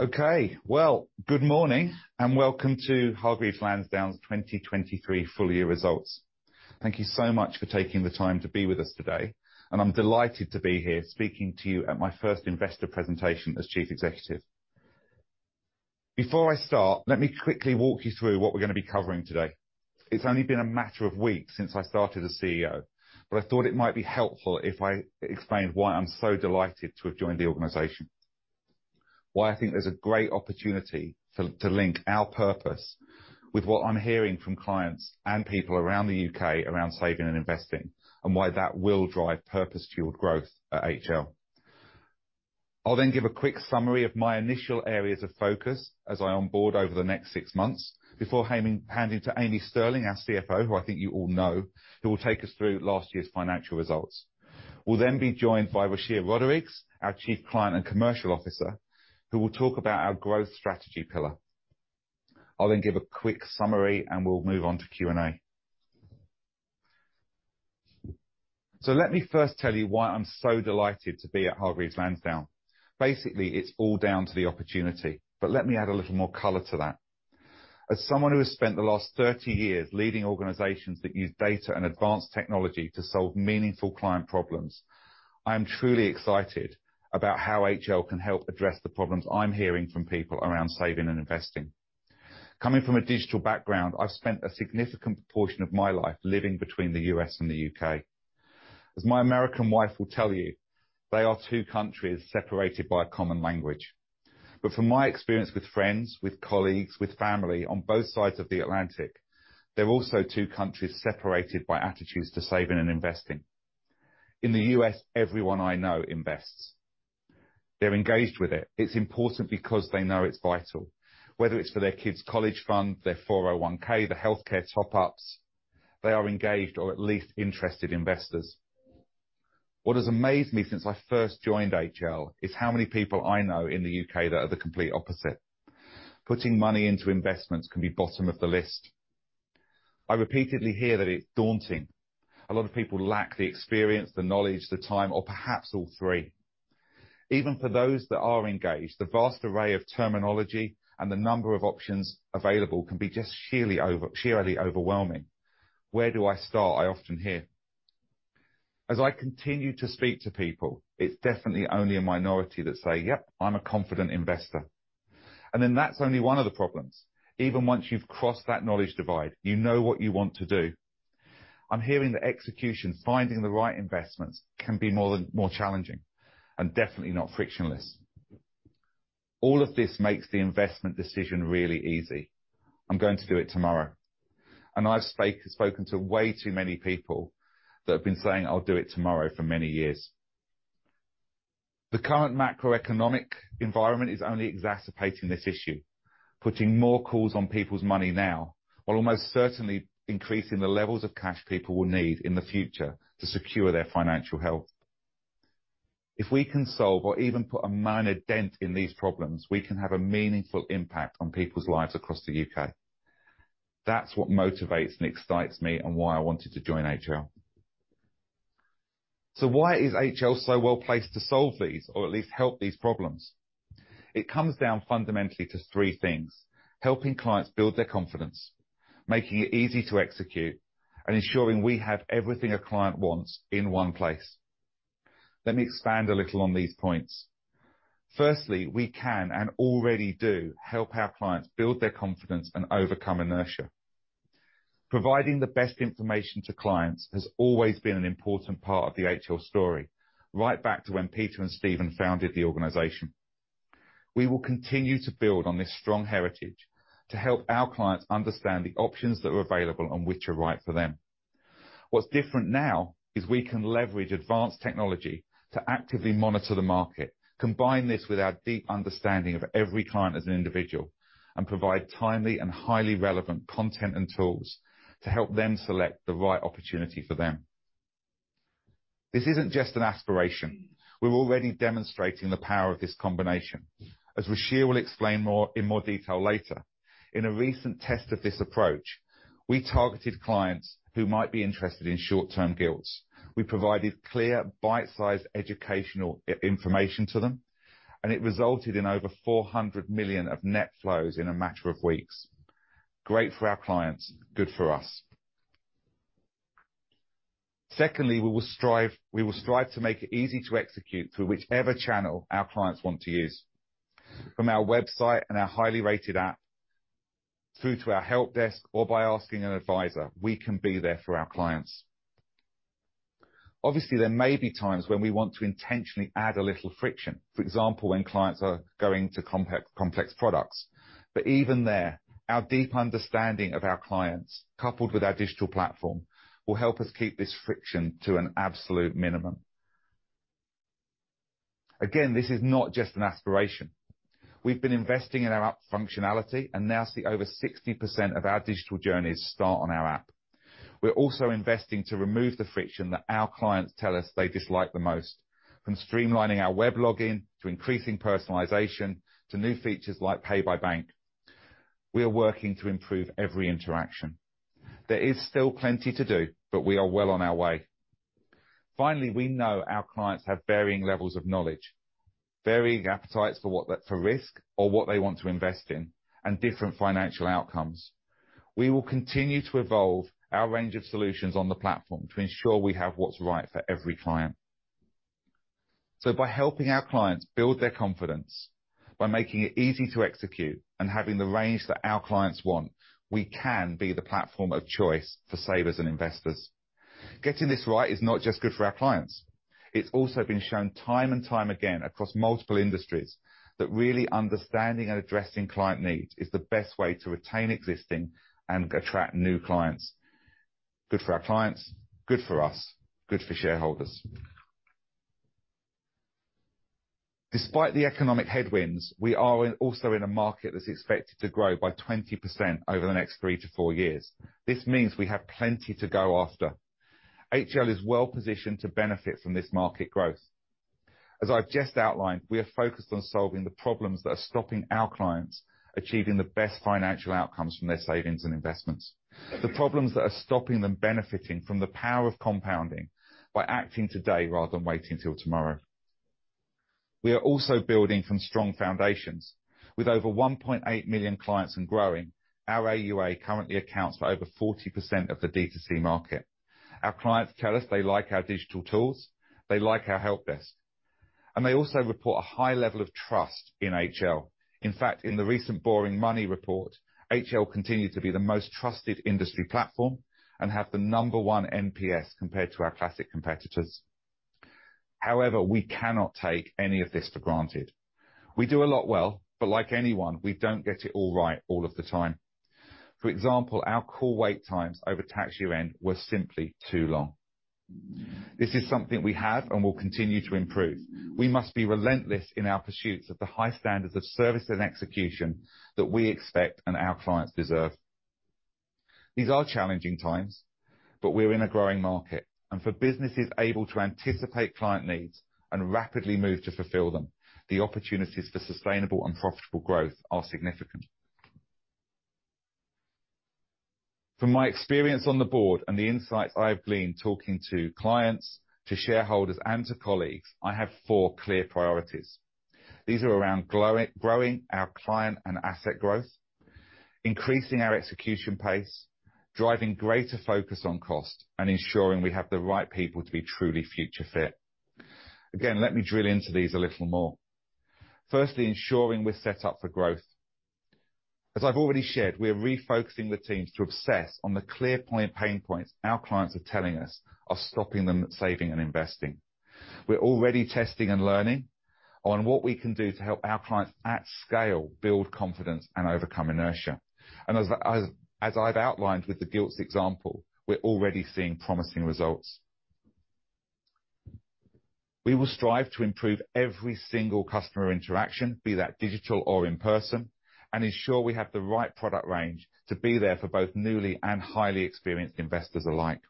Okay. Well, good morning, and welcome to Hargreaves Lansdown's 2023 Full Year Results. Thank you so much for taking the time to be with us today, and I'm delighted to be here speaking to you at my first investor presentation as chief executive. Before I start, let me quickly walk you through what we're gonna be covering today. It's only been a matter of weeks since I started as CEO, but I thought it might be helpful if I explained why I'm so delighted to have joined the organization. Why I think there's a great opportunity to, to link our purpose with what I'm hearing from clients and people around the U.K. around saving and investing, and why that will drive purpose-fueled growth at HL. I'll then give a quick summary of my initial areas of focus as I onboard over the next six months, before handing to Amy Stirling, our CFO, who I think you all know, who will take us through last year's financial results. We'll then be joined by Ruchir Rodrigues, our Chief Client and Commercial Officer, who will talk about our growth strategy pillar. I'll then give a quick summary, and we'll move on to Q&A. So let me first tell you why I'm so delighted to be at Hargreaves Lansdown. Basically, it's all down to the opportunity, but let me add a little more color to that. As someone who has spent the last 30 years leading organizations that use data and advanced technology to solve meaningful client problems, I am truly excited about how HL can help address the problems I'm hearing from people around saving and investing. Coming from a digital background, I've spent a significant proportion of my life living between the U.S. and the U.K. As my American wife will tell you, they are two countries separated by a common language. But from my experience with friends, with colleagues, with family on both sides of the Atlantic, they're also two countries separated by attitudes to saving and investing. In the U.S., everyone I know invests. They're engaged with it. It's important because they know it's vital. Whether it's for their kids' college fund, their 401(k), the healthcare top-ups, they are engaged, or at least interested investors. What has amazed me since I first joined HL is how many people I know in the U.K. that are the complete opposite. Putting money into investments can be bottom of the list. I repeatedly hear that it's daunting. A lot of people lack the experience, the knowledge, the time, or perhaps all three. Even for those that are engaged, the vast array of terminology and the number of options available can be just sheerly overwhelming. "Where do I start?" I often hear. As I continue to speak to people, it's definitely only a minority that say: "Yep, I'm a confident investor." And then that's only one of the problems. Even once you've crossed that knowledge divide, you know what you want to do. I'm hearing that execution, finding the right investments, can be more than, more challenging, and definitely not frictionless. All of this makes the investment decision really easy. I'm going to do it tomorrow, and I've spoken to way too many people that have been saying, "I'll do it tomorrow," for many years. The current macroeconomic environment is only exacerbating this issue, putting more calls on people's money now, while almost certainly increasing the levels of cash people will need in the future to secure their financial health. If we can solve or even put a minor dent in these problems, we can have a meaningful impact on people's lives across the U.K. That's what motivates and excites me, and why I wanted to join HL. So why is HL so well placed to solve these, or at least help these problems? It comes down fundamentally to three things: helping clients build their confidence, making it easy to execute, and ensuring we have everything a client wants in one place. Let me expand a little on these points. Firstly, we can, and already do, help our clients build their confidence and overcome inertia. Providing the best information to clients has always been an important part of the HL story, right back to when Peter and Stephen founded the organization. We will continue to build on this strong heritage to help our clients understand the options that are available and which are right for them. What's different now, is we can leverage advanced technology to actively monitor the market, combine this with our deep understanding of every client as an individual, and provide timely and highly relevant content and tools to help them select the right opportunity for them. This isn't just an aspiration. We're already demonstrating the power of this combination, as Ruchir will explain more, in more detail later. In a recent test of this approach, we targeted clients who might be interested in short-term gilts. We provided clear, bite-sized, educational information to them, and it resulted in over 400 million of net flows in a matter of weeks. Great for our clients, good for us. Secondly, we will strive, we will strive to make it easy to execute through whichever channel our clients want to use. From our website and our highly rated app, through to our help desk, or by asking an advisor, we can be there for our clients. Obviously, there may be times when we want to intentionally add a little friction. For example, when clients are going to complex products. But even there, our deep understanding of our clients, coupled with our digital platform, will help us keep this friction to an absolute minimum. Again, this is not just an aspiration. We've been investing in our app functionality, and now see over 60% of our digital journeys start on our app. We're also investing to remove the friction that our clients tell us they dislike the most, from streamlining our web login, to increasing personalization, to new features like Pay by Bank. We are working to improve every interaction. There is still plenty to do, but we are well on our way. Finally, we know our clients have varying levels of knowledge, varying appetites for what for risk or what they want to invest in, and different financial outcomes. We will continue to evolve our range of solutions on the platform to ensure we have what's right for every client. So by helping our clients build their confidence, by making it easy to execute and having the range that our clients want, we can be the platform of choice for savers and investors. Getting this right is not just good for our clients; it's also been shown time and time again across multiple industries that really understanding and addressing client needs is the best way to retain existing and attract new clients. Good for our clients, good for us, good for shareholders. Despite the economic headwinds we are in, also in a market that's expected to grow by 20% over the next three to four years. This means we have plenty to go after. HL is well positioned to benefit from this market growth. As I've just outlined, we are focused on solving the problems that are stopping our clients achieving the best financial outcomes from their savings and investments. The problems that are stopping them benefiting from the power of compounding by acting today rather than waiting till tomorrow. We are also building from strong foundations. With over 1.8 million clients and growing, our AUA currently accounts for over 40% of the D2C market. Our clients tell us they like our digital tools, they like our help desk, and they also report a high level of trust in HL. In fact, in the recent Boring Money report, HL continued to be the most trusted industry platform and have the number one NPS compared to our classic competitors. However, we cannot take any of this for granted. We do a lot well, but like anyone, we don't get it all right all of the time. For example, our call wait times over tax year end were simply too long. This is something we have and will continue to improve. We must be relentless in our pursuits of the high standards of service and execution that we expect and our clients deserve. These are challenging times, but we're in a growing market, and for businesses able to anticipate client needs and rapidly move to fulfill them, the opportunities for sustainable and profitable growth are significant. From my experience on the board and the insights I've gleaned talking to clients, to shareholders, and to colleagues, I have four clear priorities. These are around growing our client and asset growth, increasing our execution pace, driving greater focus on cost, and ensuring we have the right people to be truly future fit. Again, let me drill into these a little more. Firstly, ensuring we're set up for growth. As I've already shared, we are refocusing the teams to obsess on the client pain points our clients are telling us are stopping them from saving and investing. We're already testing and learning on what we can do to help our clients, at scale, build confidence and overcome inertia. As I've outlined with the Gilts example, we're already seeing promising results. We will strive to improve every single customer interaction, be that digital or in person, and ensure we have the right product range to be there for both newly and highly experienced investors alike.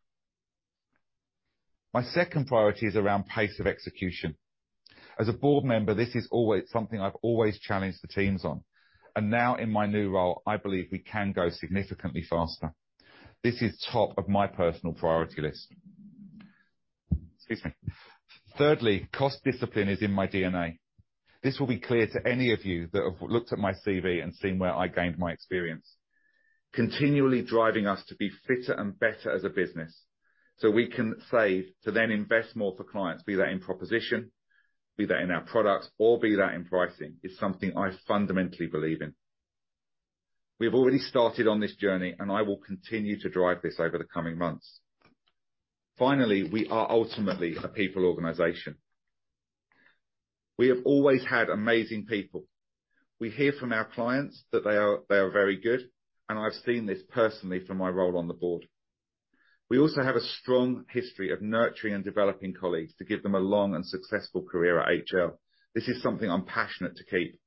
My second priority is around pace of execution. As a board member, this is always something I've always challenged the teams on, and now in my new role, I believe we can go significantly faster. This is top of my personal priority list. Excuse me. Thirdly, cost discipline is in my DNA. This will be clear to any of you that have looked at my CV and seen where I gained my experience. Continually driving us to be fitter and better as a business, so we can save to then invest more for clients, be that in proposition, be that in our products, or be that in pricing, is something I fundamentally believe in. We have already started on this journey, and I will continue to drive this over the coming months. Finally, we are ultimately a people organization. We have always had amazing people. We hear from our clients that they are, they are very good, and I've seen this personally from my role on the board. We also have a strong history of nurturing and developing colleagues to give them a long and successful career at HL. This is something I'm passionate to keep.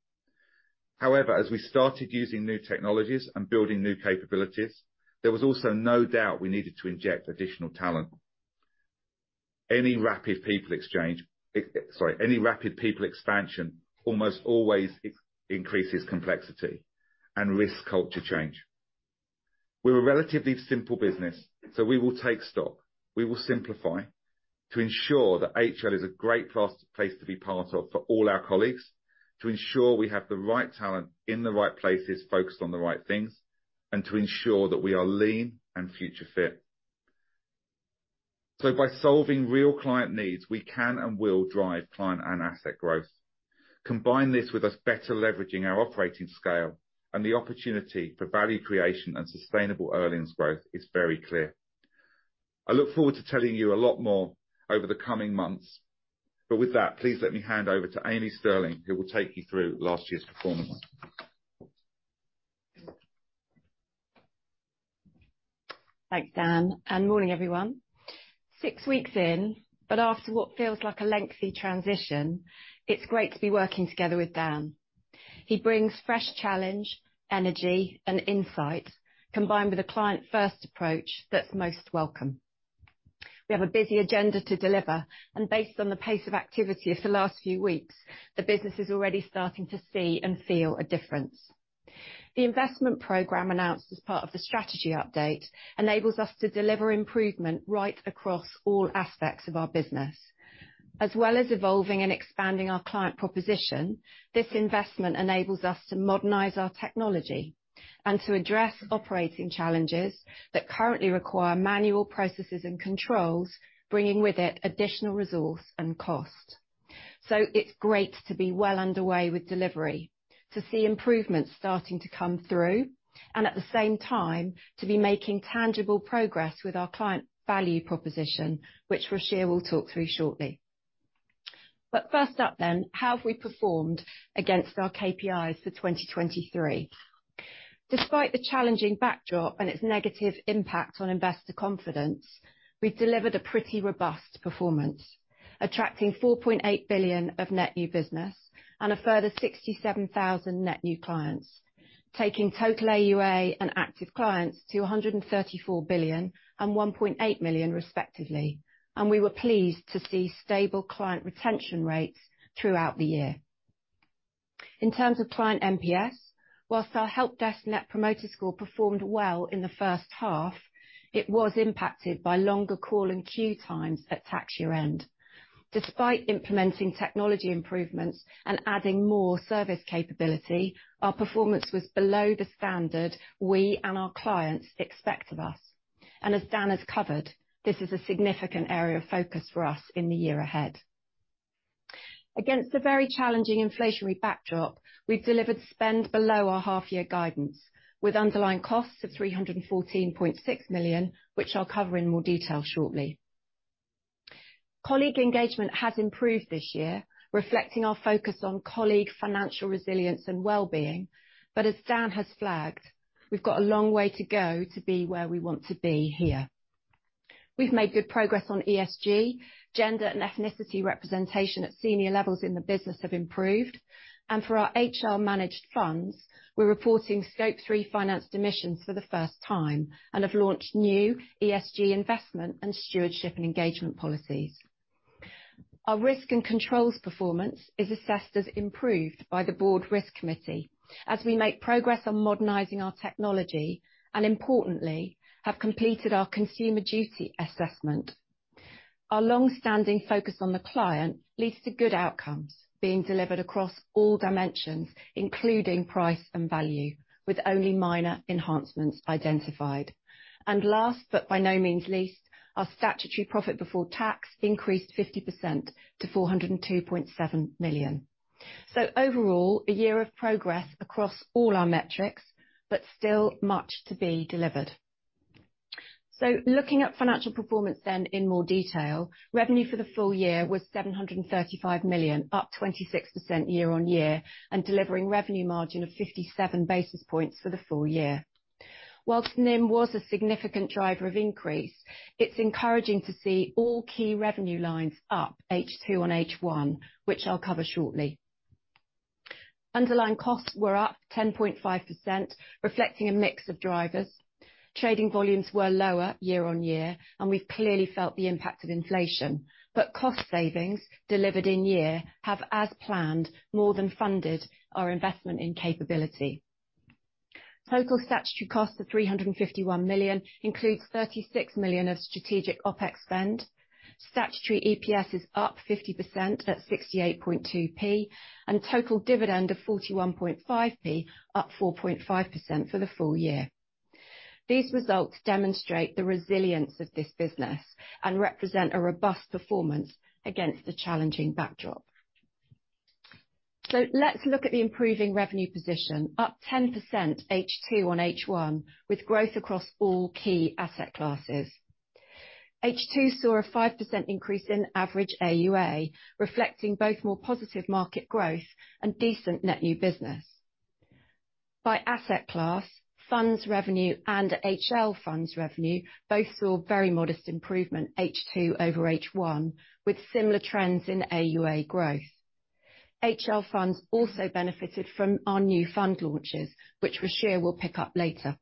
However, as we started using new technologies and building new capabilities, there was also no doubt we needed to inject additional talent. Any rapid people exchange, sorry, any rapid people expansion almost always increases complexity and risks culture change. We're a relatively simple business, so we will take stock. We will simplify to ensure that HL is a great place to be part of for all our colleagues, to ensure we have the right talent in the right places, focused on the right things, and to ensure that we are lean and future fit. So by solving real client needs, we can and will drive client and asset growth. Combine this with us better leveraging our operating scale and the opportunity for value creation and sustainable earnings growth is very clear. I look forward to telling you a lot more over the coming months, but with that, please let me hand over to Amy Stirling, who will take you through last year's performance. Thanks, Dan, and morning, everyone. Six weeks in, but after what feels like a lengthy transition, it's great to be working together with Dan. He brings fresh challenge, energy, and insight, combined with a client-first approach that's most welcome.... We have a busy agenda to deliver, and based on the pace of activity of the last few weeks, the business is already starting to see and feel a difference. The investment program announced as part of the strategy update, enables us to deliver improvement right across all aspects of our business. As well as evolving and expanding our client proposition, this investment enables us to modernize our technology and to address operating challenges that currently require manual processes and controls, bringing with it additional resource and cost. So it's great to be well underway with delivery, to see improvements starting to come through, and at the same time, to be making tangible progress with our client value proposition, which Ruchir will talk through shortly. But first up then, how have we performed against our KPIs for 2023? Despite the challenging backdrop and its negative impact on investor confidence, we've delivered a pretty robust performance, attracting 4.8 billion of net new business and a further 67,000 net new clients, taking total AUA and active clients to 134 billion and 1.8 million, respectively, and we were pleased to see stable client retention rates throughout the year. In terms of client NPS, while our help desk Net Promoter Score performed well in the first half, it was impacted by longer call and queue times at tax year-end. Despite implementing technology improvements and adding more service capability, our performance was below the standard we and our clients expect of us. As Dan has covered, this is a significant area of focus for us in the year ahead. Against a very challenging inflationary backdrop, we've delivered spend below our half-year guidance, with underlying costs of 314.6 million, which I'll cover in more detail shortly. Colleague engagement has improved this year, reflecting our focus on colleague financial resilience and well-being. As Dan has flagged, we've got a long way to go to be where we want to be here. We've made good progress on ESG. Gender and ethnicity representation at senior levels in the business have improved, and for our HL managed funds, we're reporting Scope 3 financed emissions for the first time and have launched new ESG investment and stewardship and engagement policies. Our risk and controls performance is assessed as improved by the Board Risk Committee as we make progress on modernizing our technology and importantly, have completed our Consumer Duty assessment. Our long-standing focus on the client leads to good outcomes being delivered across all dimensions, including price and value, with only minor enhancements identified. And last but by no means least, our statutory profit before tax increased 50% to 402.7 million. So overall, a year of progress across all our metrics, but still much to be delivered. So looking at financial performance then in more detail, revenue for the full year was 735 million, up 26% year-over-year, and delivering revenue margin of 57 basis points for the full year. Whilst NIM was a significant driver of increase, it's encouraging to see all key revenue lines up H2 on H1, which I'll cover shortly. Underlying costs were up 10.5%, reflecting a mix of drivers. Trading volumes were lower year-over-year, and we've clearly felt the impact of inflation, but cost savings delivered in year have, as planned, more than funded our investment in capability. Total statutory costs of 351 million includes 36 million of strategic OpEx spend. Statutory EPS is up 50% at 68.2p, and total dividend of 41.5p, up 4.5% for the full year. These results demonstrate the resilience of this business and represent a robust performance against the challenging backdrop. So let's look at the improving revenue position, up 10% H2 on H1, with growth across all key asset classes. H2 saw a 5% increase in average AUA, reflecting both more positive market growth and decent net new business. By asset class, funds revenue and HL funds revenue both saw a very modest improvement, H2 over H1, with similar trends in AUA growth. HL funds also benefited from our new fund launches, which Ruchir will pick up later.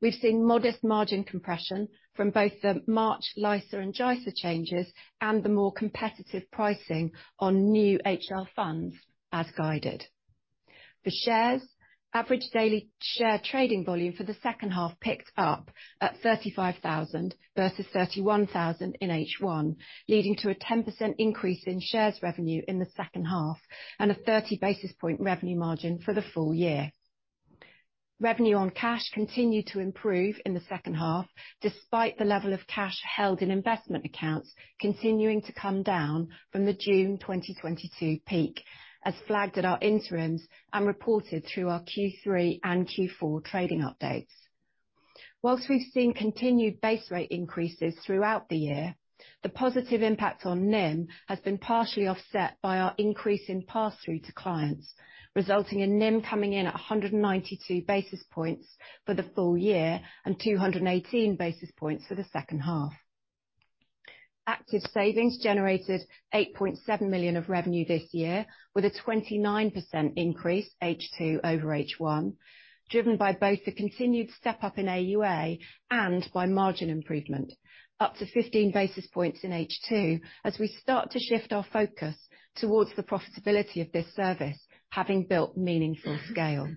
We've seen modest margin compression from both the March, LISA and JISA changes and the more competitive pricing on new HL funds as guided. The shares average daily share trading volume for the second half picked up at 35,000 versus 31,000 in H1, leading to a 10% increase in shares revenue in the second half and a 30 basis point revenue margin for the full year. Revenue on cash continued to improve in the second half, despite the level of cash held in investment accounts continuing to come down from the June 2022 peak, as flagged at our interims and reported through our Q3 and Q4 trading updates. Whilst we've seen continued base rate increases throughout the year, the positive impact on NIM has been partially offset by our increase in pass-through to clients, resulting in NIM coming in at 192 basis points for the full year and 218 basis points for the second half.... Active Savings generated 8.7 million of revenue this year, with a 29% increase H2 over H1, driven by both the continued step up in AUA and by margin improvement, up to 15 basis points in H2, as we start to shift our focus towards the profitability of this service, having built meaningful scale.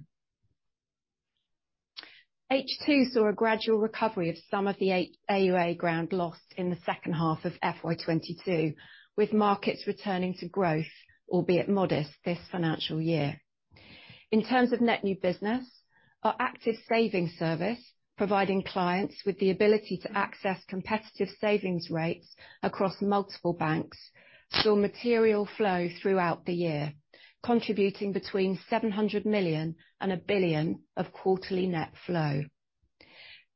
H2 saw a gradual recovery of some of the AUA ground lost in the second half of FY 2022, with markets returning to growth, albeit modest, this financial year. In terms of net new business, our Active Savings service, providing clients with the ability to access competitive savings rates across multiple banks, saw material flow throughout the year, contributing between 700 million and 1 billion of quarterly net flow.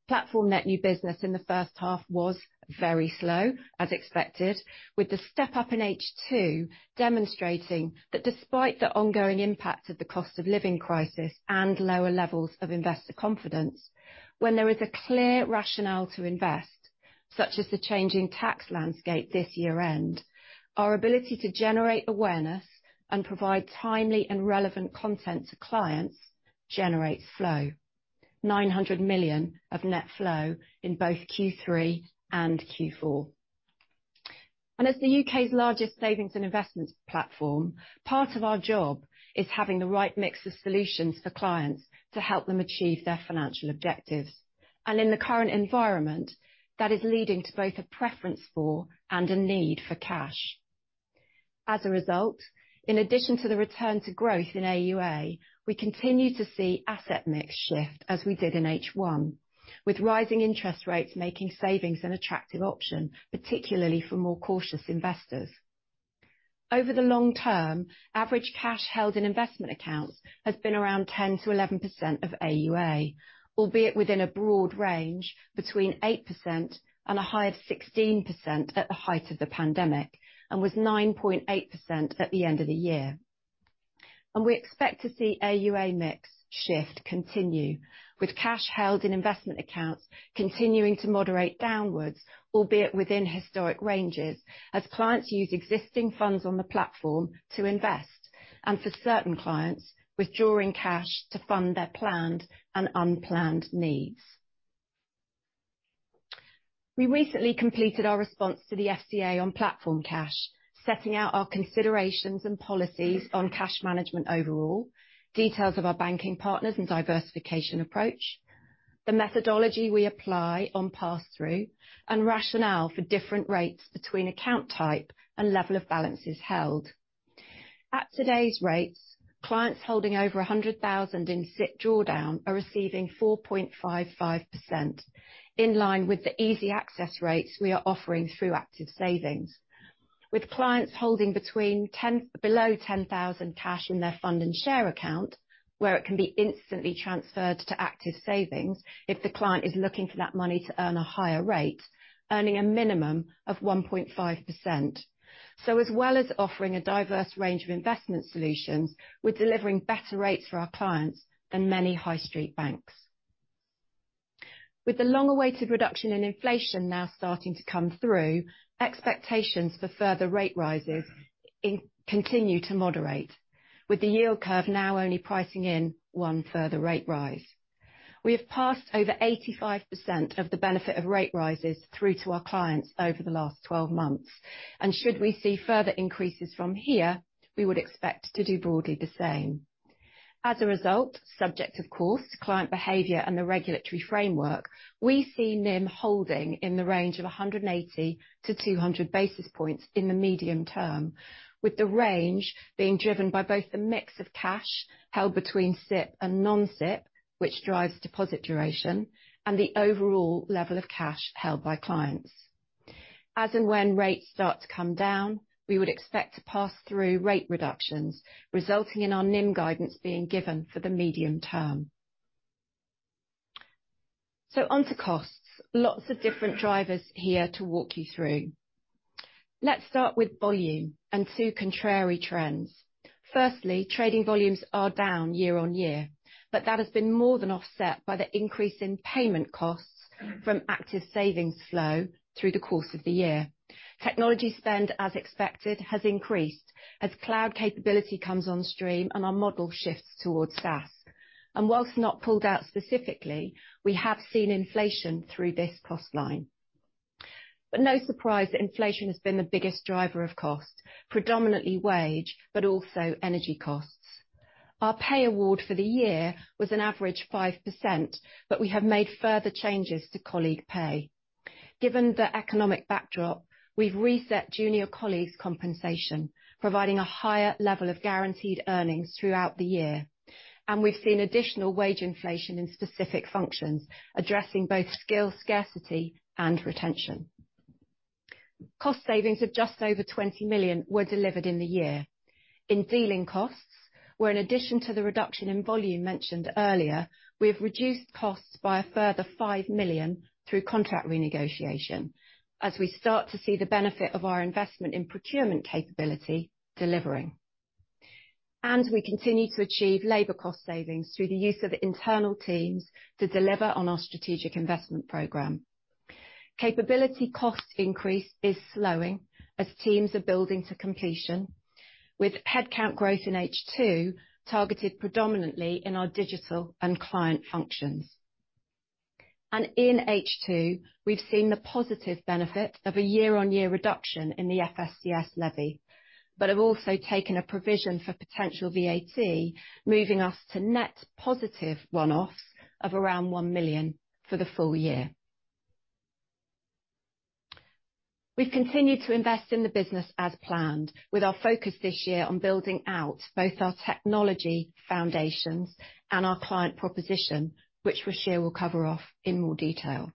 Platform net new business in the first half was very slow, as expected, with the step up in H2 demonstrating that despite the ongoing impact of the cost of living crisis and lower levels of investor confidence, when there is a clear rationale to invest, such as the changing tax landscape this year end, our ability to generate awareness and provide timely and relevant content to clients generates flow. 900 million of net flow in both Q3 and Q4. As the U.K.'s largest savings and investment platform, part of our job is having the right mix of solutions for clients to help them achieve their financial objectives. In the current environment, that is leading to both a preference for and a need for cash. As a result, in addition to the return to growth in AUA, we continue to see asset mix shift as we did in H1, with rising interest rates making savings an attractive option, particularly for more cautious investors. Over the long term, average cash held in investment accounts has been around 10%-11% of AUA, albeit within a broad range between 8% and a high of 16% at the height of the pandemic, and was 9.8% at the end of the year. We expect to see AUA mix shift continue, with cash held in investment accounts continuing to moderate downwards, albeit within historic ranges, as clients use existing funds on the platform to invest, and for certain clients, withdrawing cash to fund their planned and unplanned needs. We recently completed our response to the FCA on platform cash, setting out our considerations and policies on cash management overall, details of our banking partners and diversification approach, the methodology we apply on pass-through, and rationale for different rates between account type and level of balances held. At today's rates, clients holding over 100,000 in SIPP drawdown are receiving 4.55%, in line with the easy access rates we are offering through Active Savings, with clients holding below 10,000 cash in their Fund and Share Account, where it can be instantly transferred to Active Savings if the client is looking for that money to earn a higher rate, earning a minimum of 1.5%. So as well as offering a diverse range of investment solutions, we're delivering better rates for our clients than many high street banks. With the long-awaited reduction in inflation now starting to come through, expectations for further rate rises continue to moderate, with the yield curve now only pricing in one further rate rise. We have passed over 85% of the benefit of rate rises through to our clients over the last 12 months, and should we see further increases from here, we would expect to do broadly the same. As a result, subject of course, to client behavior and the regulatory framework, we see NIM holding in the range of 100 basis points-200 basis points in the medium term, with the range being driven by both the mix of cash held between SIPP and non-SIPP, which drives deposit duration, and the overall level of cash held by clients. As and when rates start to come down, we would expect to pass through rate reductions, resulting in our NIM guidance being given for the medium term. Onto costs. Lots of different drivers here to walk you through. Let's start with volume and two contrary trends. Firstly, trading volumes are down year-on-year, but that has been more than offset by the increase in payment costs from Active Savings flow through the course of the year. Technology spend, as expected, has increased as cloud capability comes on stream and our model shifts towards SaaS. Whilst not pulled out specifically, we have seen inflation through this cost line. No surprise that inflation has been the biggest driver of cost, predominantly wage, but also energy costs. Our pay award for the year was an average 5%, but we have made further changes to colleague pay. Given the economic backdrop, we've reset junior colleagues' compensation, providing a higher level of guaranteed earnings throughout the year, and we've seen additional wage inflation in specific functions, addressing both skill scarcity and retention. Cost savings of just over 20 million were delivered in the year. In dealing costs, where in addition to the reduction in volume mentioned earlier, we have reduced costs by a further 5 million through contract renegotiation as we start to see the benefit of our investment in procurement capability delivering.... We continue to achieve labor cost savings through the use of internal teams to deliver on our strategic investment program. Capability cost increase is slowing as teams are building to completion, with headcount growth in H2 targeted predominantly in our digital and client functions. And in H2, we've seen the positive benefit of a year-on-year reduction in the FSCS levy, but have also taken a provision for potential VAT, moving us to net positive one-offs of around 1 million for the full year. We've continued to invest in the business as planned, with our focus this year on building out both our technology foundations and our client proposition, which Ruchir will cover off in more detail.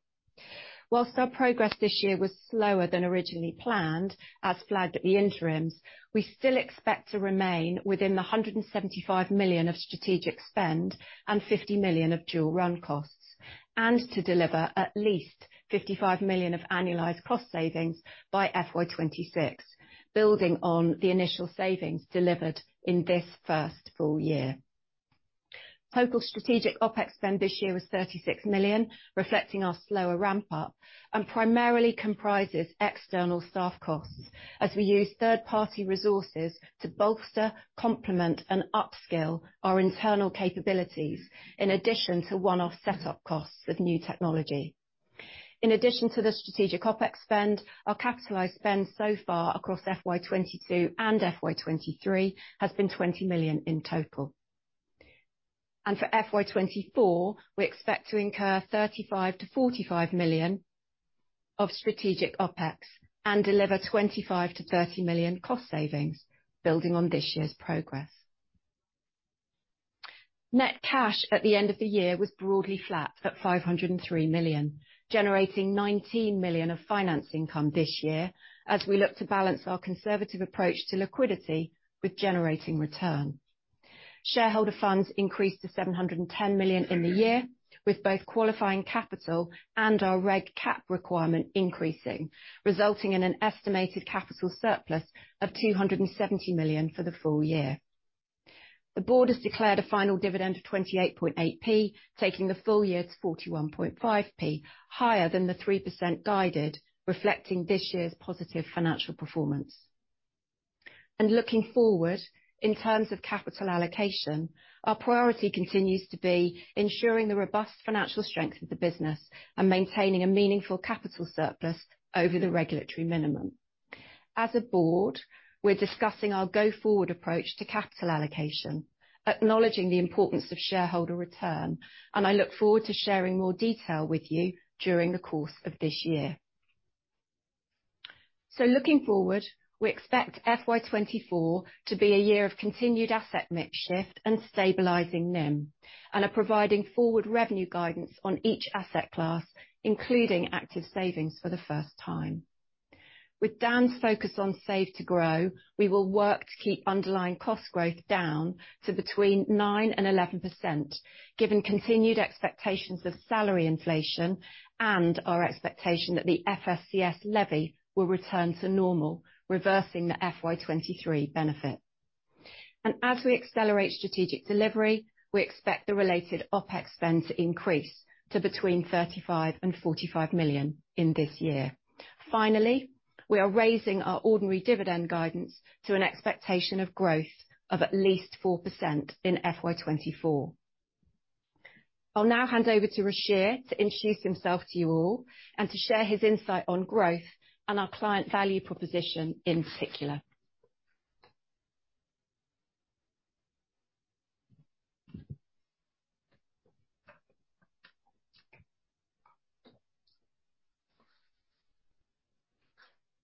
While our progress this year was slower than originally planned, as flagged at the interims, we still expect to remain within the 175 million of strategic spend and 50 million of dual run costs, and to deliver at least 55 million of annualized cost savings by FY 2026, building on the initial savings delivered in this first full year. Total strategic OpEx spend this year was 36 million, reflecting our slower ramp up, and primarily comprises external staff costs as we use third-party resources to bolster, complement, and upskill our internal capabilities, in addition to one-off setup costs with new technology. In addition to the strategic OpEx spend, our capitalized spend so far across FY 2022 and FY 2023 has been 20 million in total. For FY 2024, we expect to incur 35-45 million of strategic OpEx and deliver 25-30 million cost savings building on this year's progress. Net cash at the end of the year was broadly flat at 503 million, generating 19 million of finance income this year as we look to balance our conservative approach to liquidity with generating return. Shareholder funds increased to 710 million in the year, with both qualifying capital and our reg cap requirement increasing, resulting in an estimated capital surplus of 270 million for the full year. The board has declared a final dividend of 28.8p, taking the full year to 41.5p, higher than the 3% guided, reflecting this year's positive financial performance. Looking forward, in terms of capital allocation, our priority continues to be ensuring the robust financial strength of the business and maintaining a meaningful capital surplus over the regulatory minimum. As a board, we're discussing our go-forward approach to capital allocation, acknowledging the importance of shareholder return, and I look forward to sharing more detail with you during the course of this year. Looking forward, we expect FY 2024 to be a year of continued asset mix shift and stabilizing NIM, and are providing forward revenue guidance on each asset class, including Active Savings for the first time. With Dan's focus on save to grow, we will work to keep underlying cost growth down to between 9%-11%, given continued expectations of salary inflation and our expectation that the FSCS levy will return to normal, reversing the FY 2023 benefit. As we accelerate strategic delivery, we expect the related OpEx spend to increase to between 35 million-45 million in this year. Finally, we are raising our ordinary dividend guidance to an expectation of growth of at least 4% in FY 2024. I'll now hand over to Ruchir to introduce himself to you all and to share his insight on growth and our client value proposition in particular.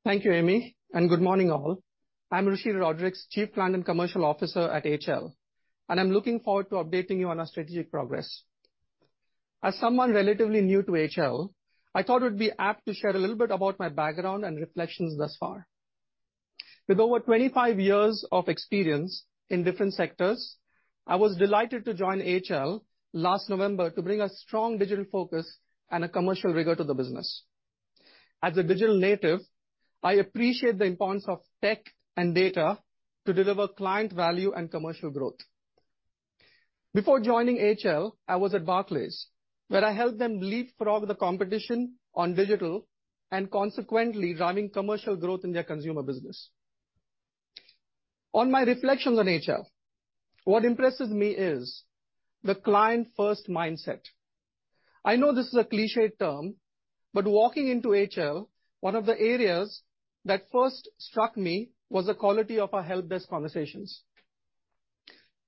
Thank you, Amy, and good morning, all. I'm Ruchir Rodrigues, Chief Client and Commercial Officer at HL, and I'm looking forward to updating you on our strategic progress. As someone relatively new to HL, I thought it would be apt to share a little bit about my background and reflections thus far. With over 25 years of experience in different sectors, I was delighted to join HL last November to bring a strong digital focus and a commercial rigor to the business. As a digital native, I appreciate the importance of tech and data to deliver client value and commercial growth. Before joining HL, I was at Barclays, where I helped them leapfrog the competition on digital and consequently driving commercial growth in their consumer business. On my reflections on HL, what impresses me is the client-first mindset. I know this is a cliché term, but walking into HL, one of the areas that first struck me was the quality of our help desk conversations.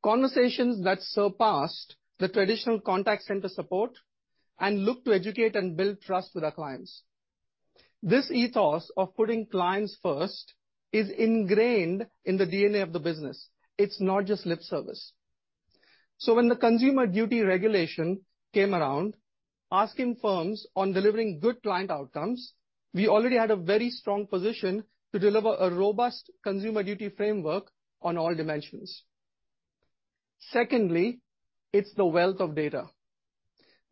Conversations that surpassed the traditional contact center support and looked to educate and build trust with our clients. This ethos of putting clients first is ingrained in the DNA of the business. It's not just lip service. So when the Consumer Duty regulation came around, asking firms on delivering good client outcomes, we already had a very strong position to deliver a robust Consumer Duty framework on all dimensions. Secondly, it's the wealth of data....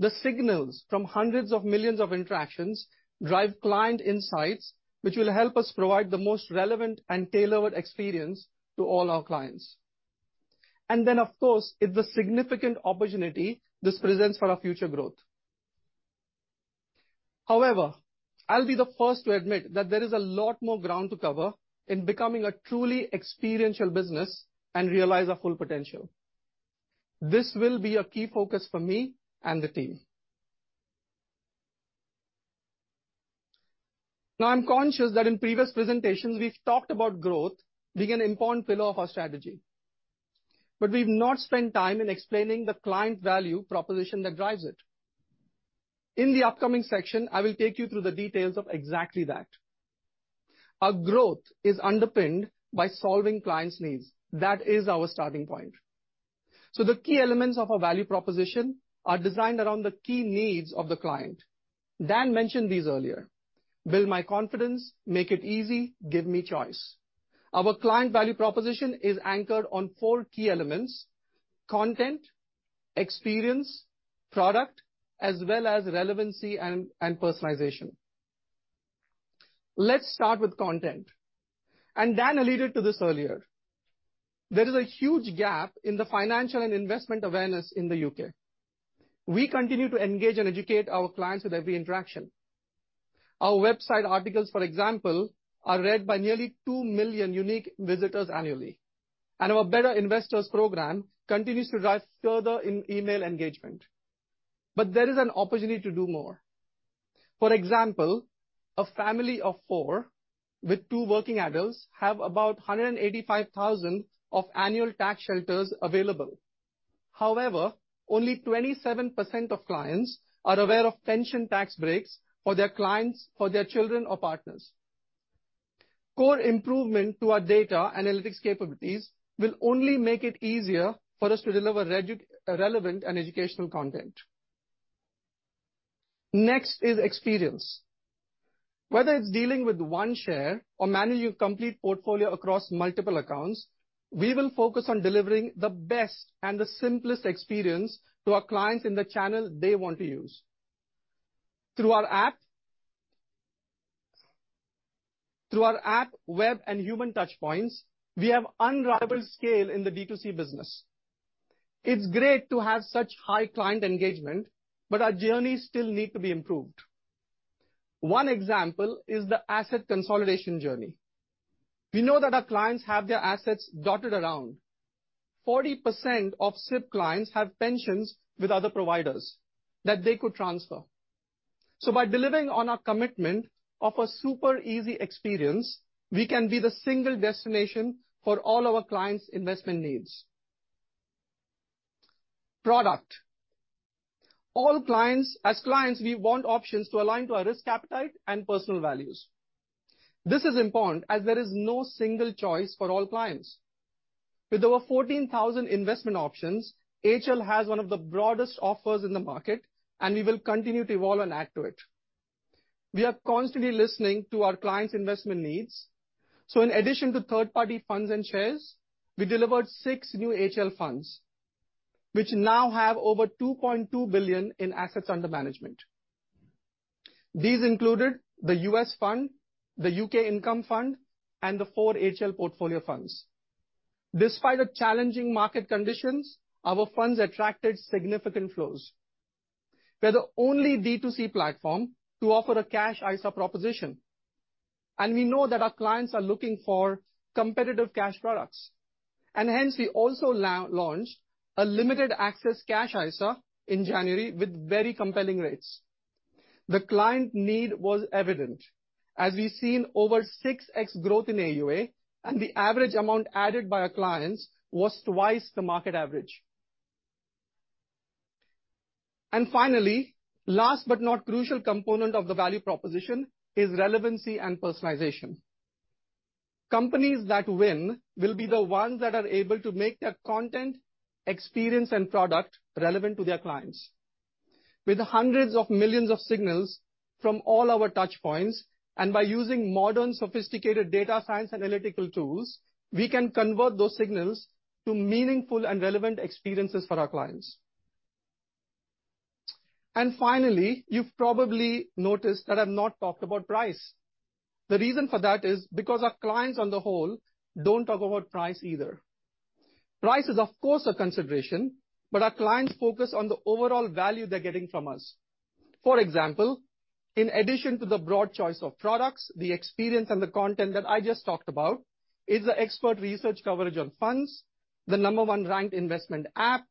The signals from hundreds of millions of interactions drive client insights, which will help us provide the most relevant and tailored experience to all our clients. And then, of course, it's a significant opportunity this presents for our future growth. However, I'll be the first to admit that there is a lot more ground to cover in becoming a truly experiential business and realize our full potential. This will be a key focus for me and the team. Now, I'm conscious that in previous presentations, we've talked about growth being an important pillar of our strategy, but we've not spent time in explaining the client value proposition that drives it. In the upcoming section, I will take you through the details of exactly that. Our growth is underpinned by solving clients' needs. That is our starting point. So the key elements of our value proposition are designed around the key needs of the client. Dan mentioned these earlier: build my confidence, make it easy, give me choice. Our client value proposition is anchored on four key elements: content, experience, product, as well as relevancy and, and personalization. Let's start with content, and Dan alluded to this earlier. There is a huge gap in the financial and investment awareness in the U.K. We continue to engage and educate our clients with every interaction. Our website articles, for example, are read by nearly 2 million unique visitors annually, and our Better Investors program continues to drive further in email engagement. But there is an opportunity to do more. For example, a family of four with two working adults have about 185,000 of annual tax shelters available. However, only 27% of clients are aware of pension tax breaks for their clients, for their children or partners. Core improvement to our data analytics capabilities will only make it easier for us to deliver relevant and educational content. Next is experience. Whether it's dealing with one share or managing a complete portfolio across multiple accounts, we will focus on delivering the best and the simplest experience to our clients in the channel they want to use. Through our app... Through our app, web and human touchpoints, we have unrivaled scale in the B2C business. It's great to have such high client engagement, but our journeys still need to be improved. One example is the asset consolidation journey. We know that our clients have their assets dotted around. 40% of SIPP clients have pensions with other providers that they could transfer. So by delivering on our commitment of a super easy experience, we can be the single destination for all our clients' investment needs. Product. All clients, as clients, we want options to align to our risk appetite and personal values. This is important as there is no single choice for all clients. With over 14,000 investment options, HL has one of the broadest offers in the market, and we will continue to evolve and add to it. We are constantly listening to our clients' investment needs, so in addition to third-party funds and shares, we delivered six new HL funds, which now have over 2.2 billion in assets under management. These included the HL U.S. Fund, the HL U.K. Income Fund, and the four HL Portfolio Funds. Despite the challenging market conditions, our funds attracted significant flows. We're the only B2C platform to offer a Cash ISA proposition, and we know that our clients are looking for competitive cash products. And hence, we also launched a Limited Access Cash ISA in January with very compelling rates. The client need was evident, as we've seen over 6x growth in AUA, and the average amount added by our clients was twice the market average. Finally, last but not crucial component of the value proposition is relevancy and personalization. Companies that win will be the ones that are able to make their content, experience, and product relevant to their clients. With hundreds of millions of signals from all our touchpoints, and by using modern, sophisticated data science analytical tools, we can convert those signals to meaningful and relevant experiences for our clients. Finally, you've probably noticed that I've not talked about price. The reason for that is because our clients, on the whole, don't talk about price either. Price is, of course, a consideration, but our clients focus on the overall value they're getting from us. For example, in addition to the broad choice of products, the experience and the content that I just talked about is the expert research coverage on funds, the number one ranked investment app,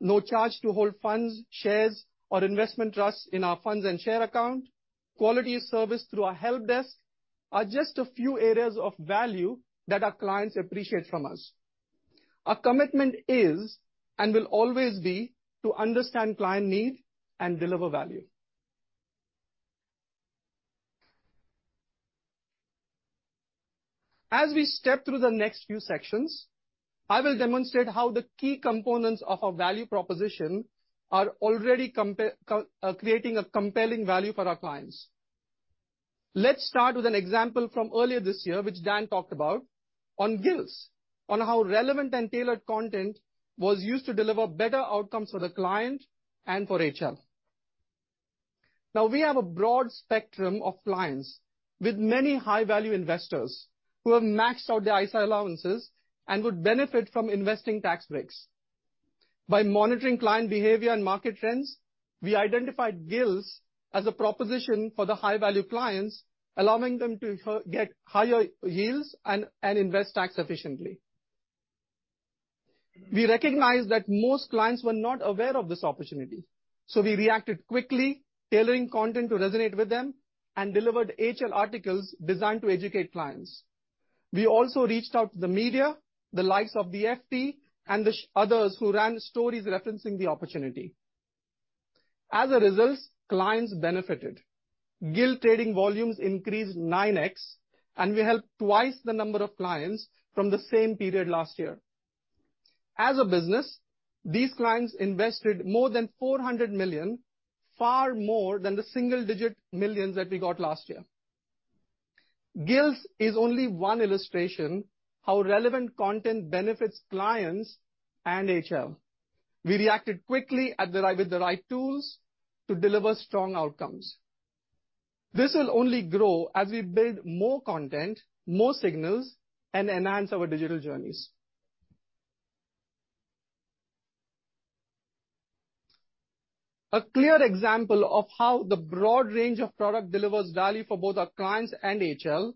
no charge to hold funds, shares or Investment Trusts in our Fund and Share Account, quality of service through our help desk, are just a few areas of value that our clients appreciate from us. Our commitment is, and will always be, to understand client need and deliver value. As we step through the next few sections, I will demonstrate how the key components of our value proposition are already creating a compelling value for our clients. Let's start with an example from earlier this year, which Dan talked about, on gilts, on how relevant and tailored content was used to deliver better outcomes for the client and for HL. Now, we have a broad spectrum of clients, with many high-value investors who have maxed out their ISA allowances and would benefit from investing tax breaks. By monitoring client behavior and market trends, we identified gilts as a proposition for the high-value clients, allowing them to get higher yields and invest tax efficiently. We recognized that most clients were not aware of this opportunity, so we reacted quickly, tailoring content to resonate with them, and delivered HL articles designed to educate clients. We also reached out to the media, the likes of the FT and the others who ran stories referencing the opportunity. As a result, clients benefited. Gilt trading volumes increased 9x, and we helped twice the number of clients from the same period last year. As a business, these clients invested more than 400 million, far more than the GBP single-digit millions that we got last year. Gilts is only one illustration how relevant content benefits clients and HL. We reacted quickly with the right tools to deliver strong outcomes. This will only grow as we build more content, more signals, and enhance our digital journeys. A clear example of how the broad range of product delivers value for both our clients and HL,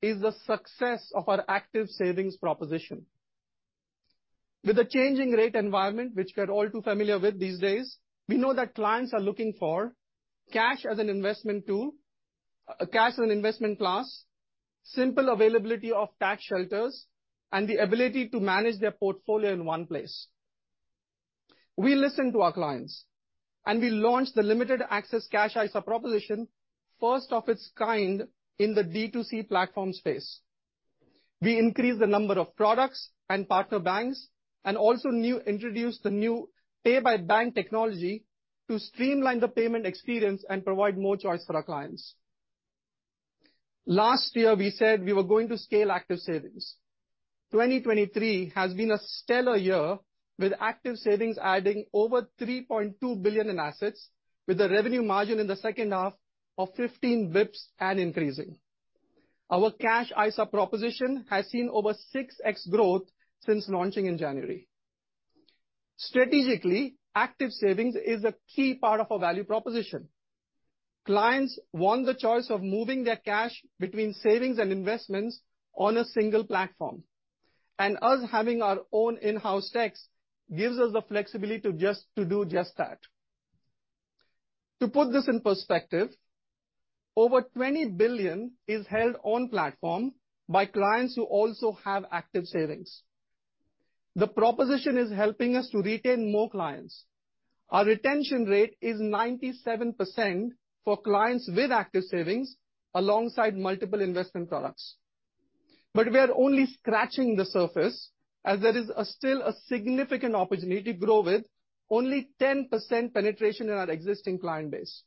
is the success of our Active Savings proposition. With the changing rate environment, which we're all too familiar with these days, we know that clients are looking for cash as an investment tool, cash as an investment class, simple availability of tax shelters, and the ability to manage their portfolio in one place. We listened to our clients, and we launched the Limited Access Cash ISA proposition, first of its kind in the D2C platform space. We increased the number of products and partner banks, and also introduced the new Pay by Bank technology to streamline the payment experience and provide more choice for our clients. Last year, we said we were going to scale Active Savings. 2023 has been a stellar year, with Active Savings adding over 3.2 billion in assets, with a revenue margin in the second half of 15 basis points and increasing. Our Cash ISA proposition has seen over 6x growth since launching in January. Strategically, Active Savings is a key part of our value proposition. Clients want the choice of moving their cash between savings and investments on a single platform, and us having our own in-house tax gives us the flexibility to just do just that. To put this in perspective, over 20 billion is held on platform by clients who also have Active Savings. The proposition is helping us to retain more clients. Our retention rate is 97% for clients with Active Savings alongside multiple investment products. But we are only scratching the surface, as there is still a significant opportunity to grow with only 10% penetration in our existing client base.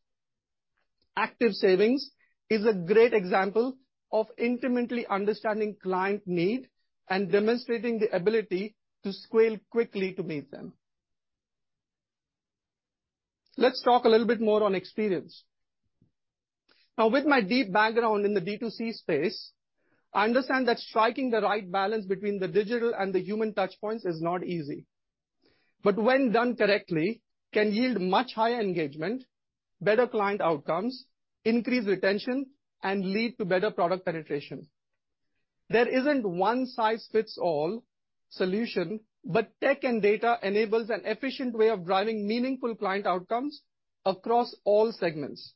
Active Savings is a great example of intimately understanding client need and demonstrating the ability to scale quickly to meet them. Let's talk a little bit more on experience. Now, with my deep background in the D2C space, I understand that striking the right balance between the digital and the human touchpoints is not easy. But when done correctly, can yield much higher engagement, better client outcomes, increase retention, and lead to better product penetration. There isn't one-size-fits-all solution, but tech and data enables an efficient way of driving meaningful client outcomes across all segments.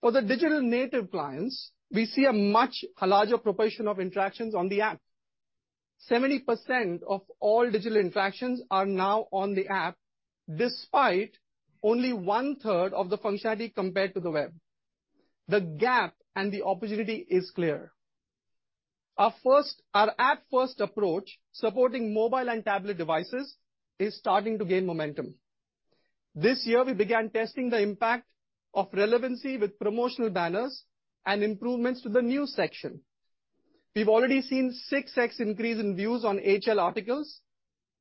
For the digital native clients, we see a much larger proportion of interactions on the app. 70% of all digital interactions are now on the app, despite only one-third of the functionality compared to the web. The gap and the opportunity is clear. Our app-first approach, supporting mobile and tablet devices, is starting to gain momentum. This year, we began testing the impact of relevancy with promotional banners and improvements to the new section. We've already seen 6x increase in views on HL articles.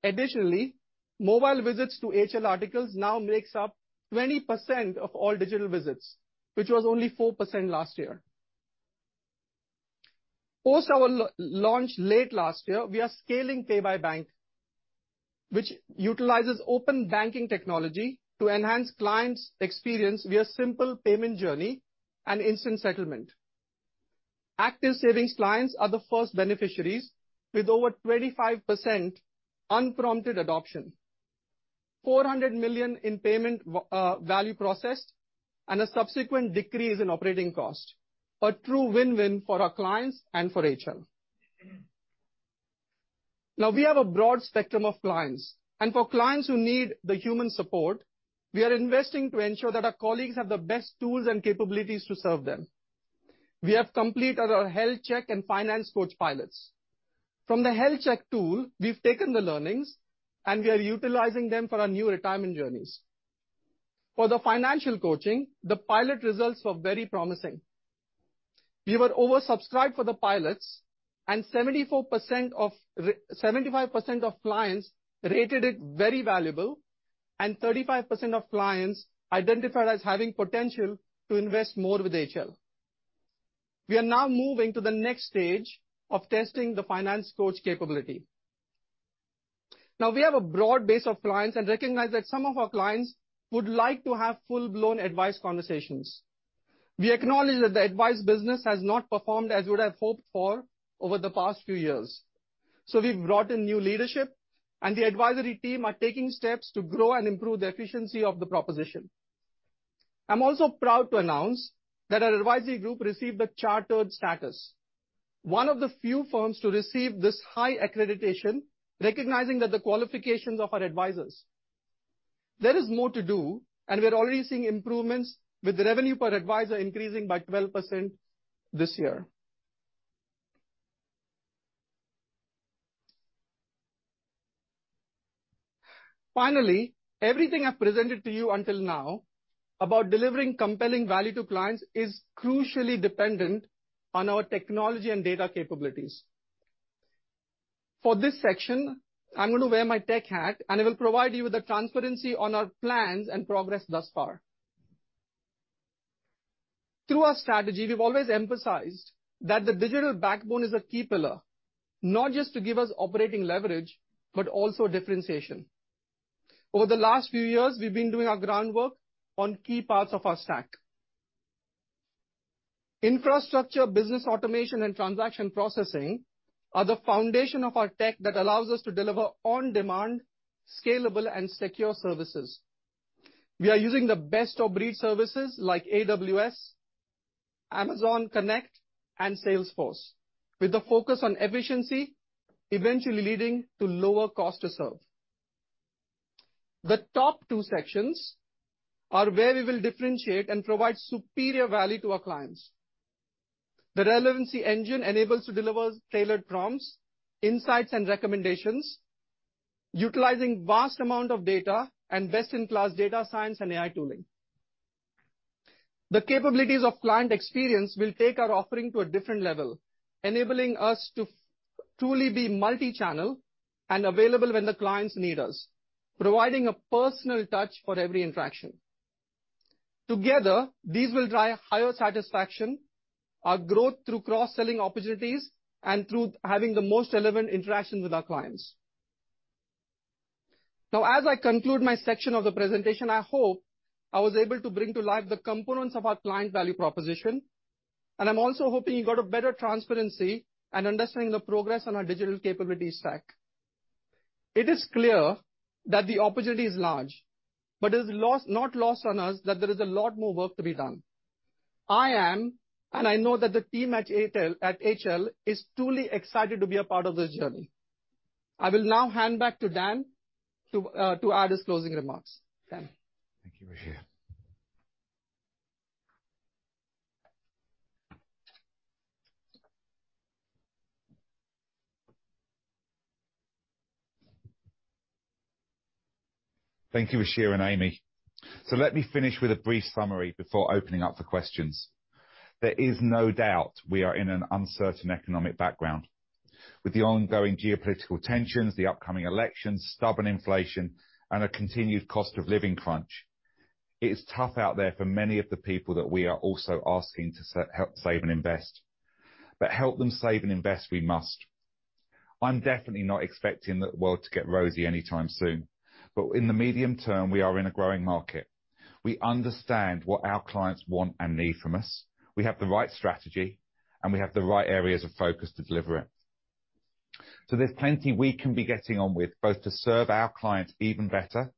Additionally, mobile visits to HL articles now makes up 20% of all digital visits, which was only 4% last year. Post our launch late last year, we are scaling Pay by Bank, which utilizes open banking technology to enhance clients' experience via simple payment journey and instant settlement. Active Savings clients are the first beneficiaries, with over 25% unprompted adoption, 400 million in payment value processed, and a subsequent decrease in operating costs. A true win-win for our clients and for HL. Now, we have a broad spectrum of clients, and for clients who need the human support, we are investing to ensure that our colleagues have the best tools and capabilities to serve them.... We have completed our health check and finance coach pilots. From the health check tool, we've taken the learnings, and we are utilizing them for our new retirement journeys. For the financial coaching, the pilot results were very promising. We were oversubscribed for the pilots, and 75% of clients rated it very valuable, and 35% of clients identified as having potential to invest more with HL. We are now moving to the next stage of testing the finance coach capability. Now, we have a broad base of clients and recognize that some of our clients would like to have full-blown advice conversations. We acknowledge that the advice business has not performed as we would have hoped for over the past few years, so we've brought in new leadership, and the advisory team are taking steps to grow and improve the efficiency of the proposition. I'm also proud to announce that our advisory group received a chartered status, one of the few firms to receive this high accreditation, recognizing that the qualifications of our advisors. There is more to do, and we are already seeing improvements, with the revenue per advisor increasing by 12% this year. Finally, everything I've presented to you until now about delivering compelling value to clients is crucially dependent on our technology and data capabilities. For this section, I'm going to wear my tech hat, and I will provide you with the transparency on our plans and progress thus far. Through our strategy, we've always emphasized that the digital backbone is a key pillar, not just to give us operating leverage, but also differentiation. Over the last few years, we've been doing our groundwork on key parts of our stack. Infrastructure, business automation, and transaction processing are the foundation of our tech that allows us to deliver on-demand, scalable, and secure services. We are using the best of breed services like AWS, Amazon Connect, and Salesforce, with a focus on efficiency, eventually leading to lower cost to serve. The top two sections are where we will differentiate and provide superior value to our clients. The relevancy engine enables to deliver tailored prompts, insights, and recommendations, utilizing vast amount of data and best-in-class data science and AI tooling. The capabilities of client experience will take our offering to a different level, enabling us to truly be multi-channel and available when the clients need us, providing a personal touch for every interaction. Together, these will drive higher satisfaction, our growth through cross-selling opportunities, and through having the most relevant interactions with our clients. Now, as I conclude my section of the presentation, I hope I was able to bring to life the components of our client value proposition, and I'm also hoping you got a better transparency and understanding the progress on our digital capability stack. It is clear that the opportunity is large, but it is not lost on us that there is a lot more work to be done. I am, and I know that the team at HL, is truly excited to be a part of this journey. I will now hand back to Dan to add his closing remarks. Dan? Thank you, Ruchir. Thank you, Ruchir and Amy. So let me finish with a brief summary before opening up for questions. There is no doubt we are in an uncertain economic background. With the ongoing geopolitical tensions, the upcoming elections, stubborn inflation, and a continued cost of living crunch, it is tough out there for many of the people that we are also asking to help save and invest. But help them save and invest, we must. I'm definitely not expecting the world to get rosy anytime soon, but in the medium term, we are in a growing market. We understand what our clients want and need from us. We have the right strategy, and we have the right areas of focus to deliver it. So there's plenty we can be getting on with, both to serve our clients even better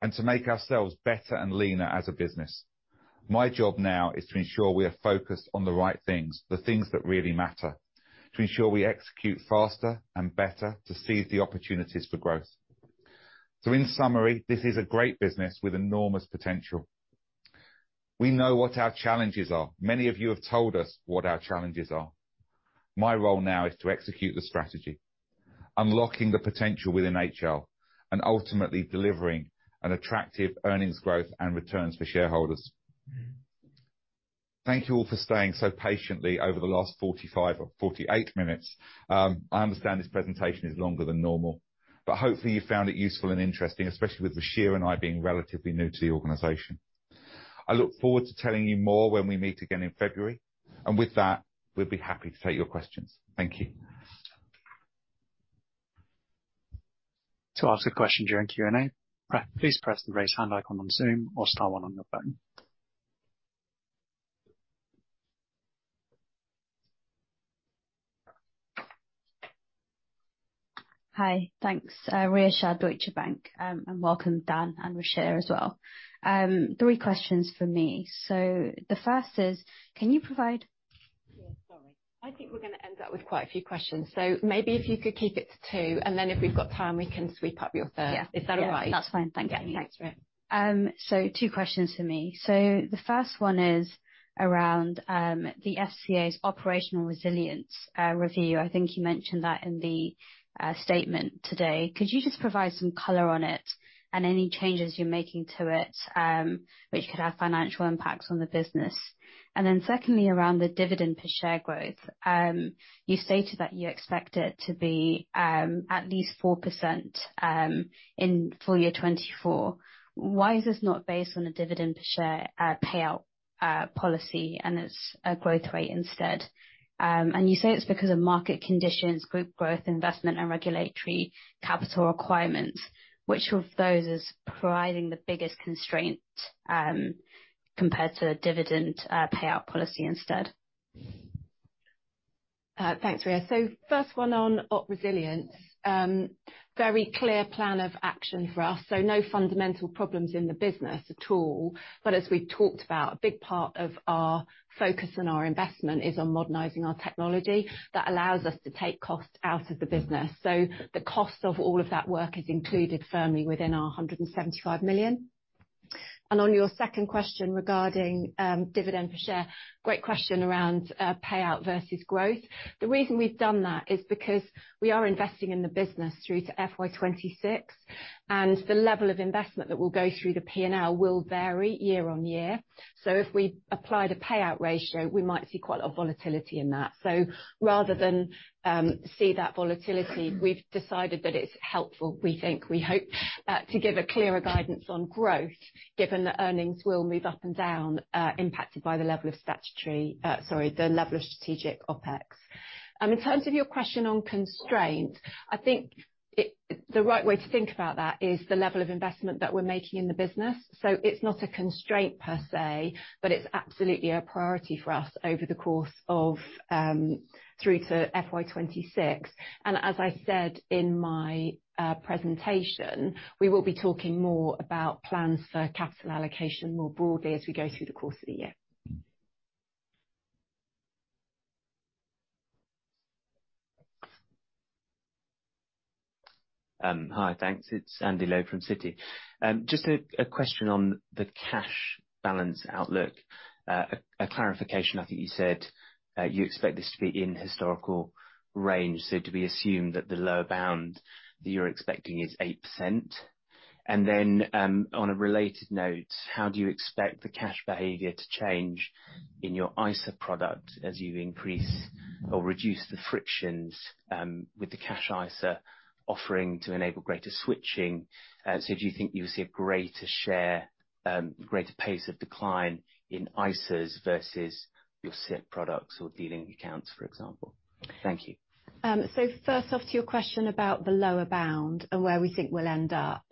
and to make ourselves better and leaner as a business. My job now is to ensure we are focused on the right things, the things that really matter, to ensure we execute faster and better to seize the opportunities for growth. So in summary, this is a great business with enormous potential. We know what our challenges are. Many of you have told us what our challenges are. My role now is to execute the strategy, unlocking the potential within HL, and ultimately delivering an attractive earnings growth and returns for shareholders. Thank you all for staying so patiently over the last 45 or 48 minutes. I understand this presentation is longer than normal, but hopefully, you found it useful and interesting, especially with Ruchir and I being relatively new to the organization. I look forward to telling you more when we meet again in February. With that, we'd be happy to take your questions. Thank you. To ask a question during Q&A, please press the Raise Hand icon on Zoom or star one on your phone. Hi. Thanks. Rhea Shah, Deutsche Bank, and welcome, Dan and Ruchir, as well. Three questions from me. So the first is, can you provide-... Sorry, I think we're gonna end up with quite a few questions, so maybe if you could keep it to two, and then if we've got time, we can sweep up your third. Yeah. Is that all right? That's fine. Thank you. Thanks for it. So two questions for me. So the first one is around the FCA's operational resilience review. I think you mentioned that in the statement today. Could you just provide some color on it and any changes you're making to it, which could have financial impacts on the business? And then secondly, around the dividend per share growth. You stated that you expect it to be at least 4% in full year 2024. Why is this not based on a dividend per share payout policy, and it's a growth rate instead? And you say it's because of market conditions, group growth, investment, and regulatory capital requirements. Which of those is providing the biggest constraint, compared to dividend payout policy instead? Thanks, Rhea. So first one, on op resilience, very clear plan of action for us, so no fundamental problems in the business at all. But as we talked about, a big part of our focus and our investment is on modernizing our technology. That allows us to take costs out of the business. So the cost of all of that work is included firmly within our 175 million. And on your second question regarding dividend per share, great question around payout versus growth. The reason we've done that is because we are investing in the business through to FY 2026, and the level of investment that will go through the P&L will vary year on year. So if we applied a payout ratio, we might see quite a volatility in that. So rather than see that volatility, we've decided that it's helpful, we think, we hope, to give a clearer guidance on growth, given that earnings will move up and down, impacted by the level of statutory, sorry, the level of strategic OpEx. In terms of your question on constraint, I think it, the right way to think about that is the level of investment that we're making in the business. So it's not a constraint per se, but it's absolutely a priority for us over the course of, through to FY 2026. And as I said in my presentation, we will be talking more about plans for capital allocation more broadly as we go through the course of the year. Hi. Thanks. It's Andy Lowe from Citi. Just a question on the cash balance outlook. A clarification, I think you said, you expect this to be in historical range, so do we assume that the lower bound that you're expecting is 8%? And then, on a related note, how do you expect the cash behavior to change in your ISA product as you increase or reduce the frictions, with the cash ISA offering to enable greater switching? So do you think you'll see a greater share, greater pace of decline in ISAs versus your SIPP products or dealing accounts, for example? Thank you. So first off, to your question about the lower bound and where we think we'll end up.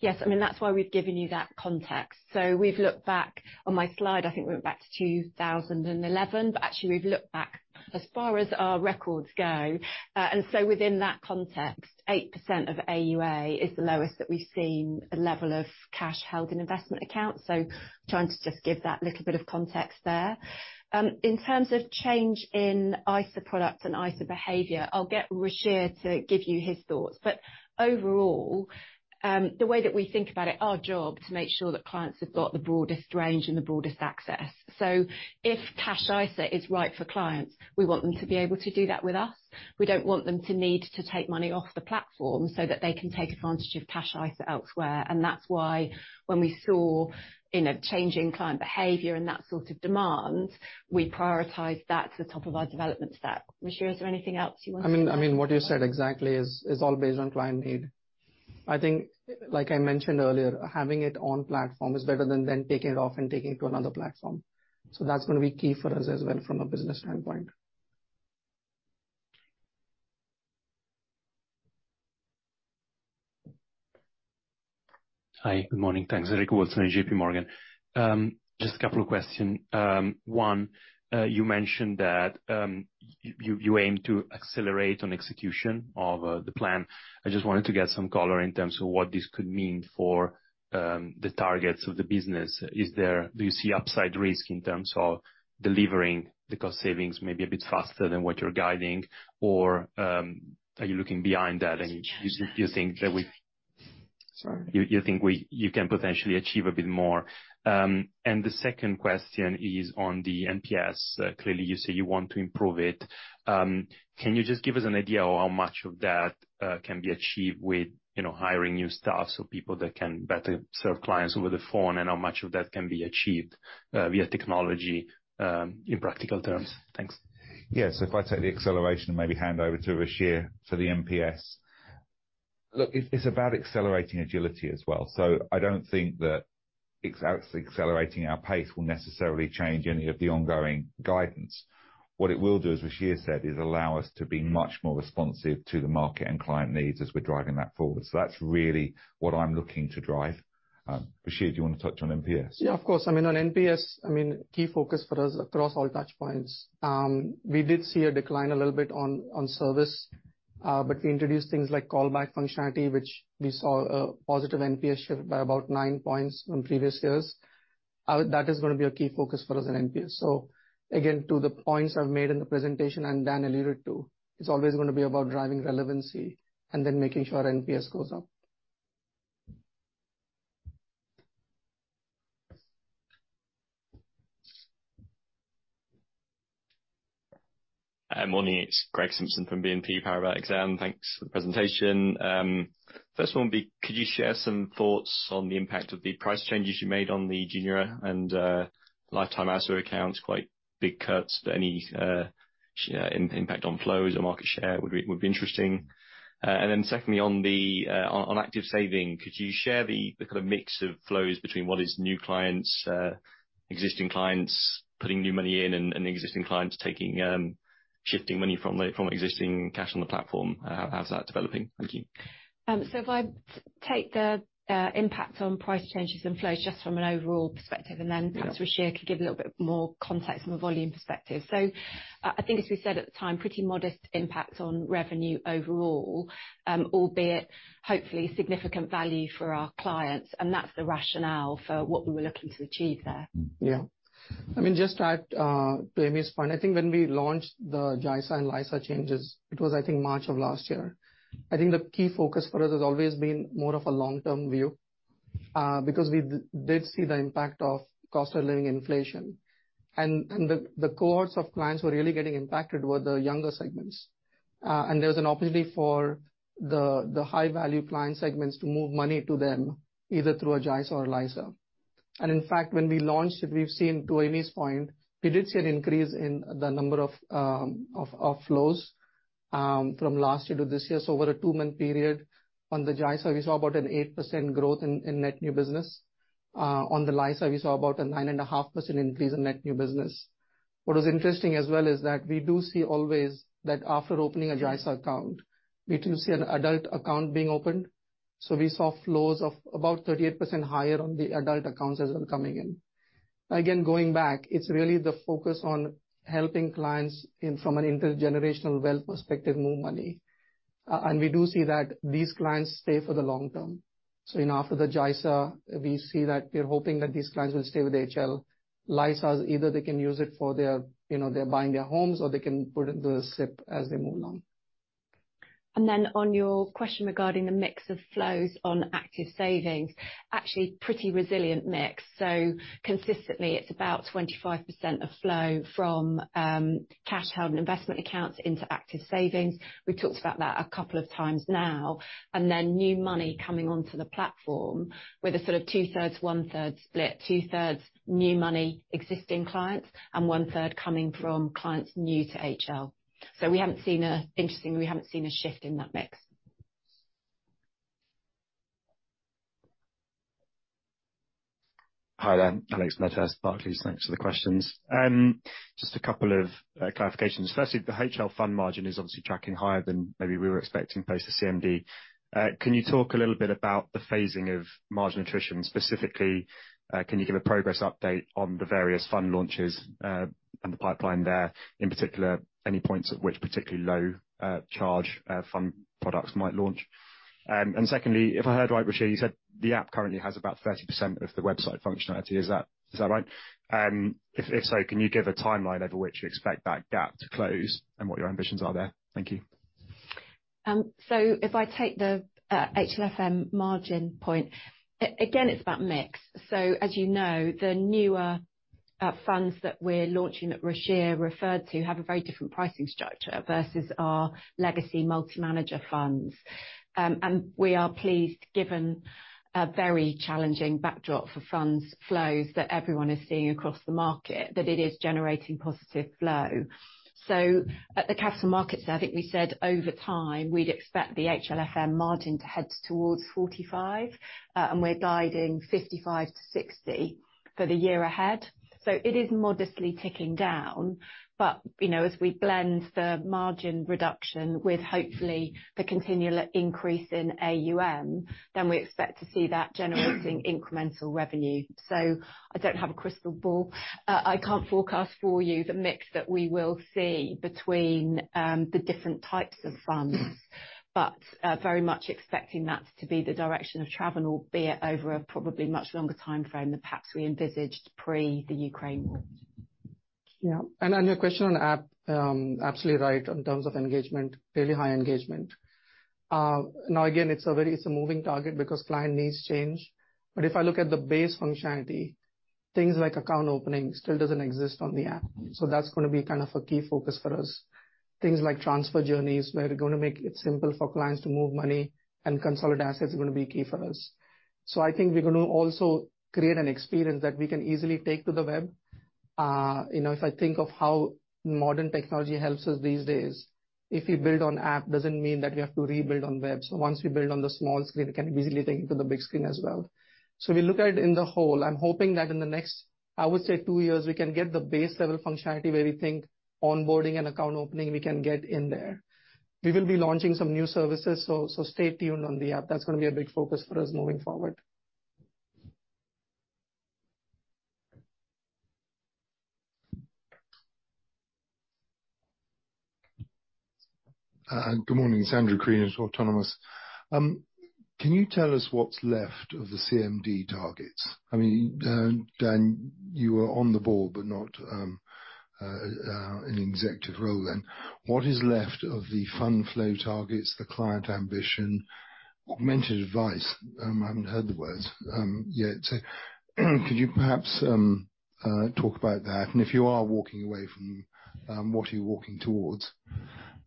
Yes, I mean, that's why we've given you that context. So we've looked back on my slide, I think went back to 2011, but actually we've looked back as far as our records go. And so within that context, 8% of AUA is the lowest that we've seen a level of cash held in investment accounts, so trying to just give that little bit of context there. In terms of change in ISA products and ISA behavior, I'll get Ruchir to give you his thoughts. But overall, the way that we think about it, our job to make sure that clients have got the broadest range and the broadest access. So if Cash ISA is right for clients, we want them to be able to do that with us. We don't want them to need to take money off the platform so that they can take advantage of Cash ISA elsewhere, and that's why when we saw, you know, changing client behavior and that sort of demand, we prioritize that to the top of our development stack. Ruchir, is there anything else you want to add? I mean, I mean, what you said exactly is all based on client need. I think, like I mentioned earlier, having it on platform is better than taking it off and taking it to another platform, so that's gonna be key for us as well from a business standpoint. Hi, good morning. Thanks. Enrico Bolzoni, J.P. Morgan. Just a couple of questions. One, you mentioned that you aim to accelerate on execution of the plan. I just wanted to get some color in terms of what this could mean for the targets of the business. Is there. Do you see upside risk in terms of delivering the cost savings maybe a bit faster than what you're guiding? Or, are you looking behind that and you think that we- Sorry. You think we can potentially achieve a bit more? And the second question is on the NPS. Clearly, you say you want to improve it. Can you just give us an idea of how much of that can be achieved with, you know, hiring new staff, so people that can better serve clients over the phone, and how much of that can be achieved via technology, in practical terms? Thanks. Yeah, so if I take the acceleration and maybe hand over to Ruchir for the NPS. Look, it, it's about accelerating agility as well, so I don't think that accelerating our pace will necessarily change any of the ongoing guidance. What it will do, as Ruchir said, is allow us to be much more responsive to the market and client needs as we're driving that forward. So that's really what I'm looking to drive. Ruchir, do you want to touch on NPS? Yeah, of course. I mean, on NPS, I mean, key focus for us across all touch points. We did see a decline a little bit on, on service, but we introduced things like call back functionality, which we saw a positive NPS shift by about nine points from previous years. That is going to be a key focus for us in NPS. So again, to the points I've made in the presentation and Dan alluded to, it's always going to be about driving relevancy and then making sure NPS goes up. Hi, morning. It's Greg Simpson from BNP Paribas Exane. Thanks for the presentation. First one would be, could you share some thoughts on the impact of the price changes you made on the Junior and Lifetime ISA accounts? Quite big cuts. Any impact on flows or market share would be interesting. And then secondly, on active saving, could you share the kind of mix of flows between what is new clients, existing clients putting new money in, and existing clients taking shifting money from existing cash on the platform? How's that developing? Thank you. So if I take the impact on price changes and flows just from an overall perspective, and then- Yeah. Perhaps Ruchir could give a little bit more context from a volume perspective. So I think, as we said at the time, pretty modest impact on revenue overall, albeit hopefully significant value for our clients, and that's the rationale for what we were looking to achieve there. Yeah. I mean, just to add to Amy's point, I think when we launched the JISA and LISA changes, it was, I think, March of last year. I think the key focus for us has always been more of a long-term view, because we did see the impact of cost of living inflation. And the cohorts of clients who were really getting impacted were the younger segments. And there was an opportunity for the high-value client segments to move money to them, either through a JISA or LISA. And in fact, when we launched it, we've seen, to Amy's point, we did see an increase in the number of flows from last year to this year. So over a two-month period, on the JISA, we saw about an 8% growth in net new business. On the LISA, we saw about a 9.5% increase in net new business. What was interesting as well is that we do see always that after opening a JISA account, we do see an adult account being opened. So we saw flows of about 38% higher on the adult accounts as well coming in. Again, going back, it's really the focus on helping clients in, from an intergenerational wealth perspective, move money. And we do see that these clients stay for the long term. So, you know, after the JISA, we see that we're hoping that these clients will stay with HL. LISAs, either they can use it for their, you know, they're buying their homes, or they can put it in the SIP as they move along. And then on your question regarding the mix of flows on Active Savings, actually pretty resilient mix. So consistently, it's about 25% of flow from cash held in investment accounts into Active Savings. We've talked about that a couple of times now. And then new money coming onto the platform with a sort of 2/3, 1/3 split. 2/3 new money, existing clients, and 1/3 coming from clients new to HL. So we haven't seen a-- interestingly, we haven't seen a shift in that mix. Hi there, Alex Medhurst, Barclays. Thanks for the questions. Just a couple of clarifications. Firstly, the HL fund margin is obviously tracking higher than maybe we were expecting post the CMD. Can you talk a little bit about the phasing of margin attrition? Specifically, can you give a progress update on the various fund launches and the pipeline there, in particular, any points at which particularly low charge fund products might launch? And secondly, if I heard right, Ruchir, you said the app currently has about 30% of the website functionality. Is that right? If so, can you give a timeline over which you expect that gap to close and what your ambitions are there? Thank you. So if I take the HLFM margin point, again, it's about mix. So as you know, the newer funds that we're launching, that Ruchir referred to, have a very different pricing structure versus our legacy multi-manager funds. And we are pleased, given a very challenging backdrop for funds flows, that everyone is seeing across the market, that it is generating positive flow. So at the capital markets event, I think we said over time, we'd expect the HLFM margin to head towards 45%, and we're guiding 55%-60% for the year ahead. So it is modestly ticking down, but, you know, as we blend the margin reduction with hopefully the continual increase in AUM, then we expect to see that generating incremental revenue. So I don't have a crystal ball. I can't forecast for you the mix that we will see between the different types of funds, but very much expecting that to be the direction of travel, albeit over a probably much longer timeframe than perhaps we envisaged pre the Ukraine war. Yeah. And on your question on the app, absolutely right in terms of engagement, fairly high engagement. Now, again, it's a moving target because client needs change. But if I look at the base functionality, things like account opening still doesn't exist on the app, so that's gonna be kind of a key focus for us. Things like transfer journeys, where we're gonna make it simple for clients to move money and consolidate assets, are gonna be key for us. So I think we're gonna also create an experience that we can easily take to the web. You know, if I think of how modern technology helps us these days, if we build on app, doesn't mean that we have to rebuild on web. So once we build on the small screen, we can easily take it to the big screen as well. So we look at it in the whole. I'm hoping that in the next, I would say two years, we can get the base level functionality, where we think onboarding and account opening, we can get in there. We will be launching some new services, so, so stay tuned on the app. That's gonna be a big focus for us moving forward. Good morning, it's Andrew Crean, Autonomous Research. Can you tell us what's left of the CMD targets? I mean, Dan, you were on the board, but not an executive role then. What is left of the fund flow targets, the client ambition, augmented advice? I haven't heard the words yet. So, could you perhaps talk about that, and if you are walking away from, what are you walking towards?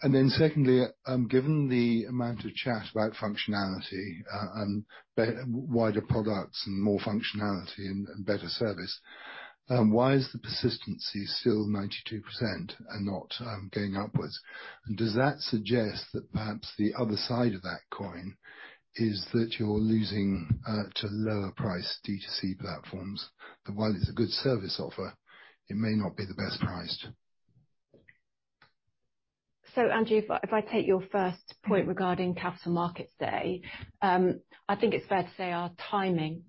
And then secondly, given the amount of chat about functionality and wider products and more functionality and better service, why is the persistency still 92% and not going upwards? Does that suggest that perhaps the other side of that coin is that you're losing to lower price D2C platforms, that while it's a good service offer, it may not be the best priced? So, Andrew, if I take your first point regarding Capital Markets Day, I think it's fair to say our timing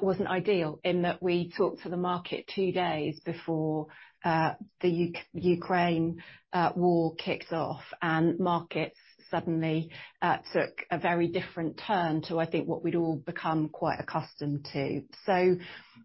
wasn't ideal, in that we talked to the market two days before the Ukraine war kicked off, and markets suddenly took a very different turn to what we'd all become quite accustomed to. So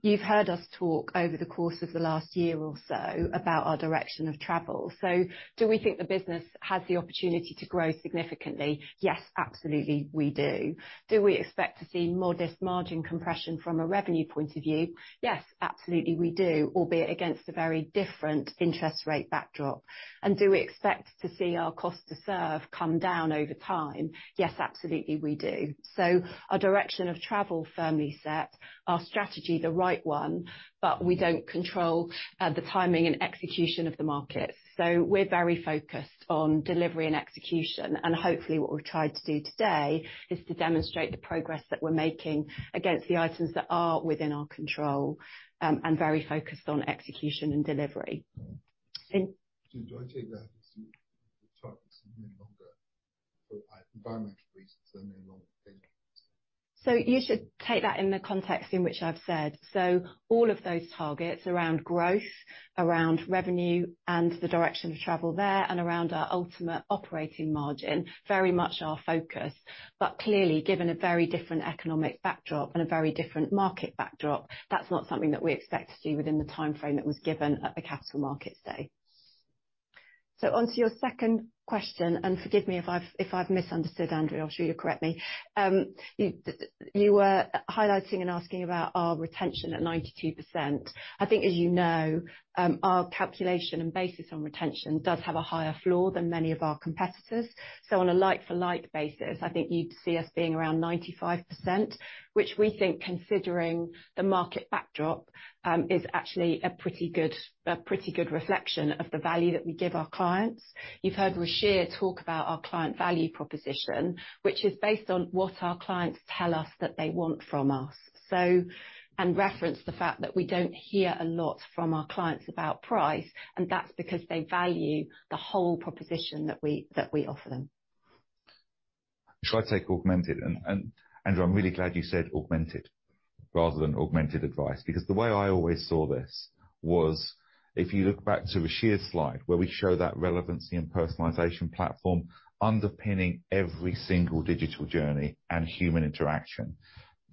you've heard us talk over the course of the last year or so about our direction of travel. So do we think the business has the opportunity to grow significantly? Yes, absolutely, we do. Do we expect to see modest margin compression from a revenue point of view? Yes, absolutely, we do, albeit against a very different interest rate backdrop. And do we expect to see our cost to serve come down over time? Yes, absolutely, we do. So our direction of travel, firmly set. Our strategy, the right one, but we don't control the timing and execution of the market. So we're very focused on delivery and execution, and hopefully what we've tried to do today is to demonstrate the progress that we're making against the items that are within our control, and very focused on execution and delivery. Mm-hmm. And- Do I take that as targets are no longer, for environmental reasons, they're no longer...? So you should take that in the context in which I've said. So all of those targets around growth, around revenue, and the direction of travel there, and around our ultimate operating margin, very much our focus. But clearly, given a very different economic backdrop and a very different market backdrop, that's not something that we expect to see within the timeframe that was given at the Capital Markets Day. So onto your second question, and forgive me if I've misunderstood, Andrew. I'm sure you'll correct me. You were highlighting and asking about our retention at 92%. I think, as you know, our calculation and basis on retention does have a higher floor than many of our competitors. So on a like-for-like basis, I think you'd see us being around 95%, which we think, considering the market backdrop, is actually a pretty good, a pretty good reflection of the value that we give our clients. You've heard Ruchir talk about our client value proposition, which is based on what our clients tell us that they want from us. So... and reference the fact that we don't hear a lot from our clients about price, and that's because they value the whole proposition that we, that we offer them. Shall I take augmented? And, Andrew, I'm really glad you said augmented rather than augmented advice, because the way I always saw this was, if you look back to Ruchir's slide, where we show that relevancy and personalization platform underpinning every single digital journey and human interaction,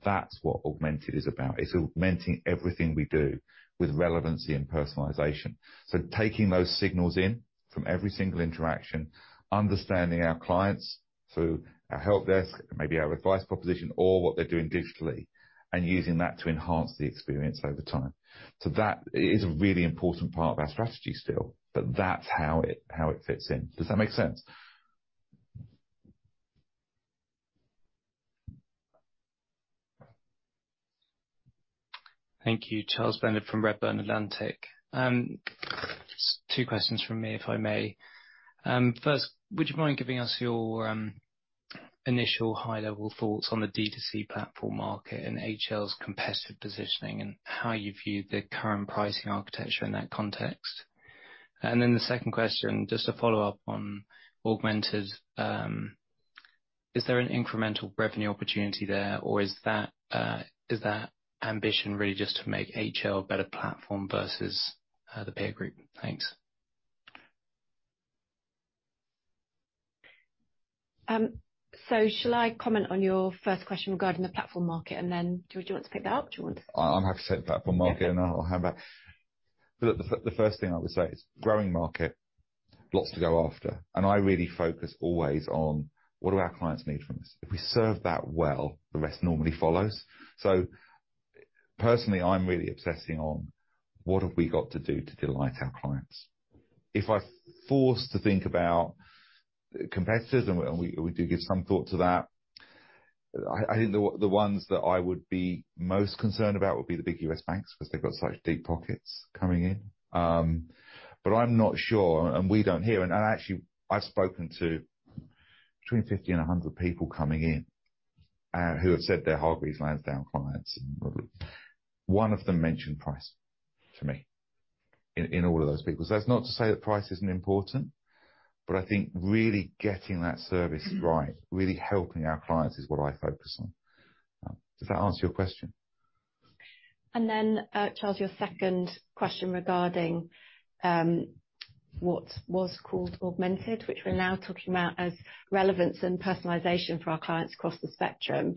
that's what augmented is about. It's augmenting everything we do with relevancy and personalization. So taking those signals in from every single interaction, understanding our clients through our helpdesk and maybe our advice proposition, or what they're doing digitally, and using that to enhance the experience over time. So that is a really important part of our strategy still, but that's how it, how it fits in. Does that make sense? Thank you. Charles Bendit from Redburn Atlantic. Two questions from me, if I may. First, would you mind giving us your initial high-level thoughts on the D2C platform market and HL's competitive positioning, and how you view the current pricing architecture in that context? And then the second question, just to follow up on augmented, is there an incremental revenue opportunity there, or is that ambition really just to make HL a better platform versus the peer group? Thanks. So, shall I comment on your first question regarding the platform market, and then, do you want to pick that up? Do you want to- I'm happy to take the platform market, and I'll have that. Okay. The first thing I would say is, growing market, lots to go after, and I really focus always on: What do our clients need from us? If we serve that well, the rest normally follows. So personally, I'm really obsessing on: What have we got to do to delight our clients? If I'm forced to think about competitors, and we do give some thought to that, I think the ones that I would be most concerned about would be the big U.S. banks, because they've got such deep pockets coming in. But I'm not sure, and we don't hear, and actually, I've spoken to between 50 and 100 people coming in who have said they're Hargreaves Lansdown clients. One of them mentioned price to me, in all of those people. So that's not to say that price isn't important.... I think really getting that service right, really helping our clients is what I focus on. Does that answer your question? And then, Charles, your second question regarding what was called augmented, which we're now talking about as relevance and personalization for our clients across the spectrum.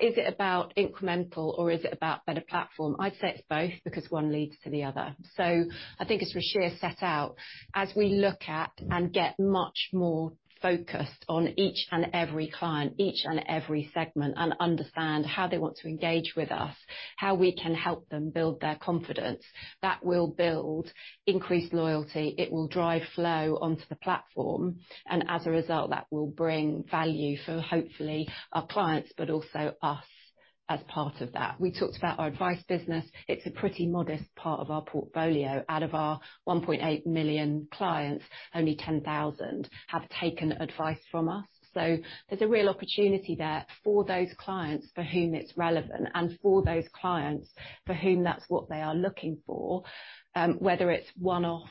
Is it about incremental or is it about better platform? I'd say it's both, because one leads to the other. So I think as Ruchir set out, as we look at and get much more focused on each and every client, each and every segment, and understand how they want to engage with us, how we can help them build their confidence, that will build increased loyalty. It will drive flow onto the platform, and as a result, that will bring value for hopefully our clients, but also us as part of that. We talked about our advice business. It's a pretty modest part of our portfolio. Out of our 1.8 million clients, only 10,000 have taken advice from us. So there's a real opportunity there for those clients for whom it's relevant and for those clients for whom that's what they are looking for, whether it's one-off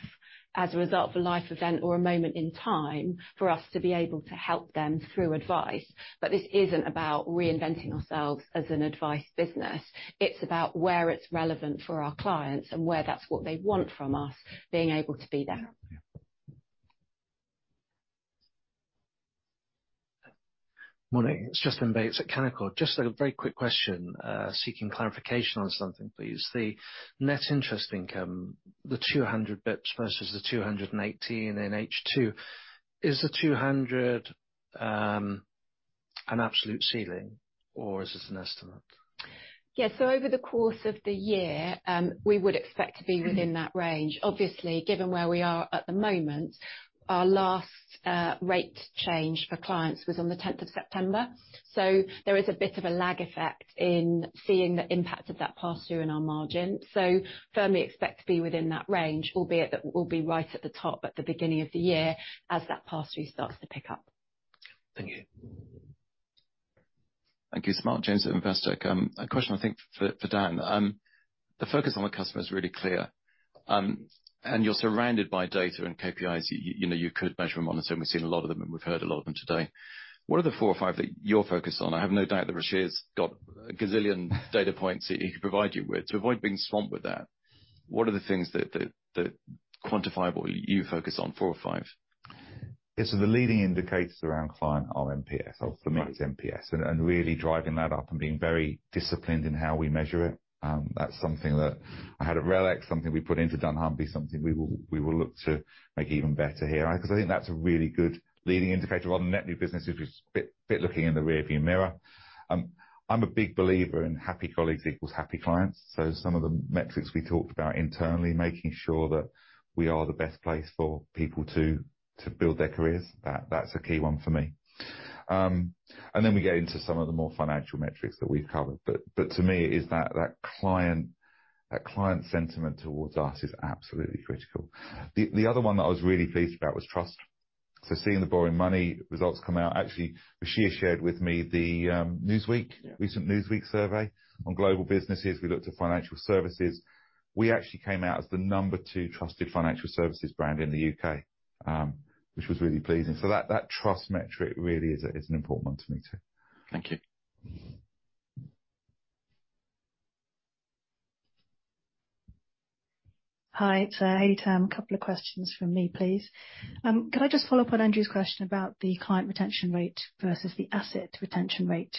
as a result of a life event or a moment in time, for us to be able to help them through advice. But this isn't about reinventing ourselves as an advice business. It's about where it's relevant for our clients and where that's what they want from us, being able to be there. Yeah. Morning, it's Justin Bates at Canaccord. Just a very quick question, seeking clarification on something, please. The net interest income, the 200 basis points versus the 218 in H2. Is the 200, an absolute ceiling or is this an estimate? Yeah. So over the course of the year, we would expect to be within that range. Obviously, given where we are at the moment, our last rate change for clients was on the tenth of September, so there is a bit of a lag effect in seeing the impact of that pass through in our margin. So firmly expect to be within that range, albeit that will be right at the top at the beginning of the year as that pass-through starts to pick up. Thank you. Thank you. Mark James at Investec. A question, I think, for Dan. The focus on the customer is really clear, and you're surrounded by data and KPIs, you know, you could measure and monitor, and we've seen a lot of them, and we've heard a lot of them today. What are the four or five that you're focused on? I have no doubt that Ruchir's got a gazillion data points that he could provide you with. To avoid being swamped with that, what are the things that quantifiable you focus on? Four or five. Yeah. The leading indicators around client are NPS. For me, it's NPS and really driving that up and being very disciplined in how we measure it. That's something that I had at RELX, something we put into dunnhumby, something we will look to make even better here because I think that's a really good leading indicator on net new business. If you're bit, bit looking in the rearview mirror. I'm a big believer in happy colleagues equals happy clients. Some of the metrics we talked about internally, making sure that we are the best place for people to build their careers, that's a key one for me. Then we get into some of the more financial metrics that we've covered, but to me, that client sentiment towards us is absolutely critical. The other one that I was really pleased about was trust. So seeing the borrowing money results come out. Actually, Ruchir shared with me the Newsweek- Yeah. Recent Newsweek survey on global businesses. We looked at financial services. We actually came out as the number two trusted financial services brand in the U.K., which was really pleasing. That trust metric really is an important one to me, too. Thank you. Hi, it's Haley Tam. A couple of questions from me, please. Could I just follow up on Andrew's question about the client retention rate versus the asset retention rate?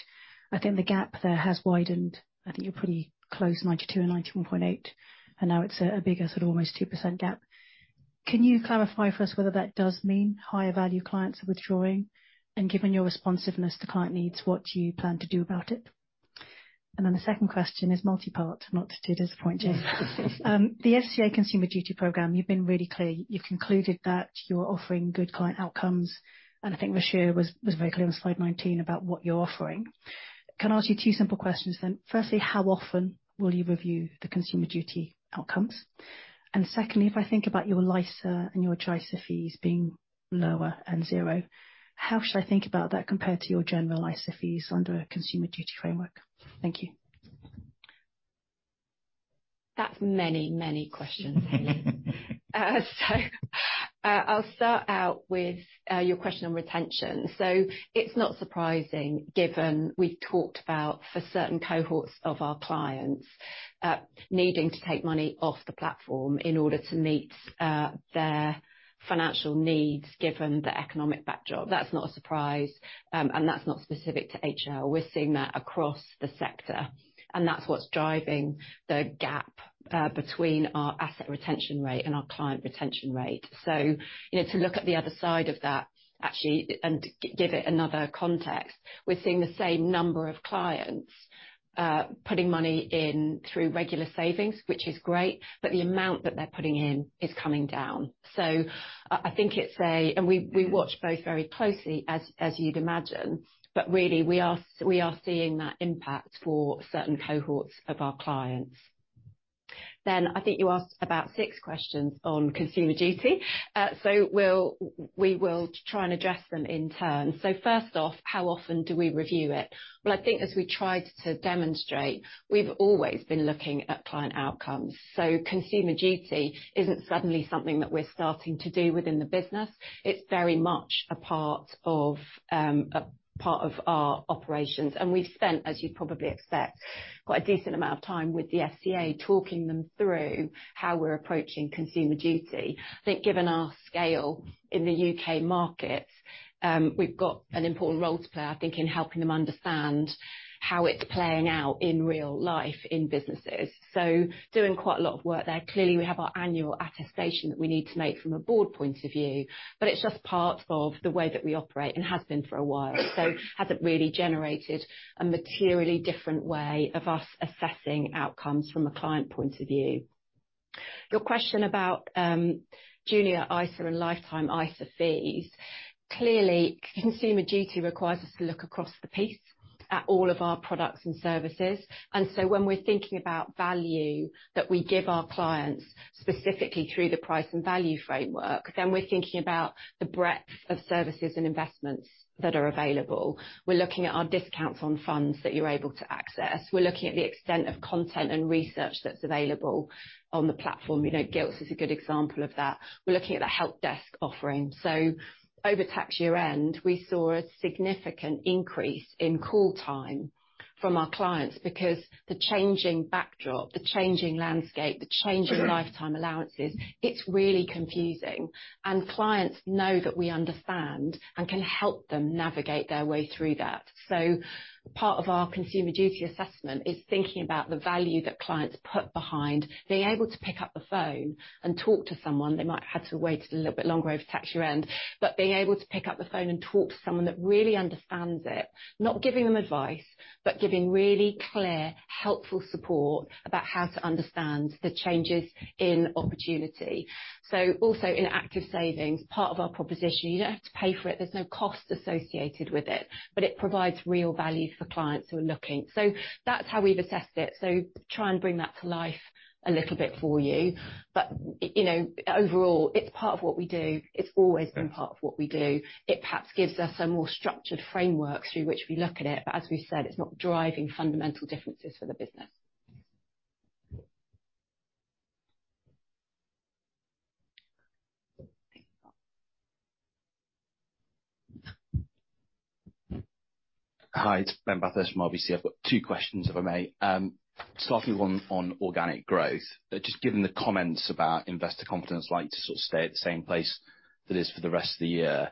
I think the gap there has widened. I think you're pretty close, 92 and 91.8, and now it's a bigger sort of almost 2% gap. Can you clarify for us whether that does mean higher value clients are withdrawing? And given your responsiveness to client needs, what do you plan to do about it? And then the second question is multi-part, not to disappoint James. The FCA Consumer Duty program, you've been really clear. You've concluded that you're offering good client outcomes, and I think Ruchir was very clear on slide 19 about what you're offering. Can I ask you two simple questions then? Firstly, how often will you review the Consumer Duty outcomes? And secondly, if I think about your LISA and your JISA fees being lower and zero, how should I think about that compared to your general ISA fees under a Consumer Duty framework? Thank you. That's many, many questions. So, I'll start out with your question on retention. So it's not surprising, given we've talked about for certain cohorts of our clients needing to take money off the platform in order to meet their financial needs, given the economic backdrop. That's not a surprise, and that's not specific to HL. We're seeing that across the sector, and that's what's driving the gap between our asset retention rate and our client retention rate. So you know, to look at the other side of that, actually, and give it another context, we're seeing the same number of clients putting money in through regular savings, which is great, but the amount that they're putting in is coming down. So I think it's a-- and we watch both very closely, as you'd imagine, but really, we are seeing that impact for certain cohorts of our clients. Then I think you asked about six questions on Consumer Duty. So we'll, we will try and address them in turn. So first off, how often do we review it? Well, I think as we tried to demonstrate, we've always been looking at client outcomes. So Consumer Duty isn't suddenly something that we're starting to do within the business. It's very much a part of, a part of our operations, and we've spent, as you'd probably expect, quite a decent amount of time with the FCA, talking them through how we're approaching Consumer Duty. I think, given our scale in the U.K. market, we've got an important role to play, I think, in helping them understand how it's playing out in real life in businesses. So doing quite a lot of work there. Clearly, we have our annual attestation that we need to make from a board point of view, but it's just part of the way that we operate and has been for a while. So hasn't really generated a materially different way of us assessing outcomes from a client point of view. Your question about, Junior ISA and Lifetime ISA fees. Clearly, Consumer Duty requires us to look across the piece at all of our products and services, and so when we're thinking about value that we give our clients, specifically through the price and value framework, then we're thinking about the breadth of services and investments that are available. We're looking at our discounts on funds that you're able to access. We're looking at the extent of content and research that's available on the platform. You know, Gilts is a good example of that. We're looking at the help desk offering. So over tax year-end, we saw a significant increase in call time from our clients because the changing backdrop, the changing landscape, the changing lifetime allowances, it's really confusing, and clients know that we understand and can help them navigate their way through that. So part of our Consumer Duty assessment is thinking about the value that clients put behind being able to pick up the phone and talk to someone. They might have to wait a little bit longer over tax year-end, but being able to pick up the phone and talk to someone that really understands it, not giving them advice, but giving really clear, helpful support about how to understand the changes in opportunity. So also in Active Savings, part of our proposition, you don't have to pay for it, there's no cost associated with it, but it provides real value for clients who are looking. So that's how we've assessed it, so try and bring that to life a little bit for you. But, you know, overall, it's part of what we do. It's always been part of what we do. It perhaps gives us a more structured framework through which we look at it, but as we said, it's not driving fundamental differences for the business. Hi, it's Ben Bathurst from RBC. I've got two questions, if I may. Starting with one on organic growth. Just given the comments about investor confidence, like, to sort of stay at the same place that is for the rest of the year.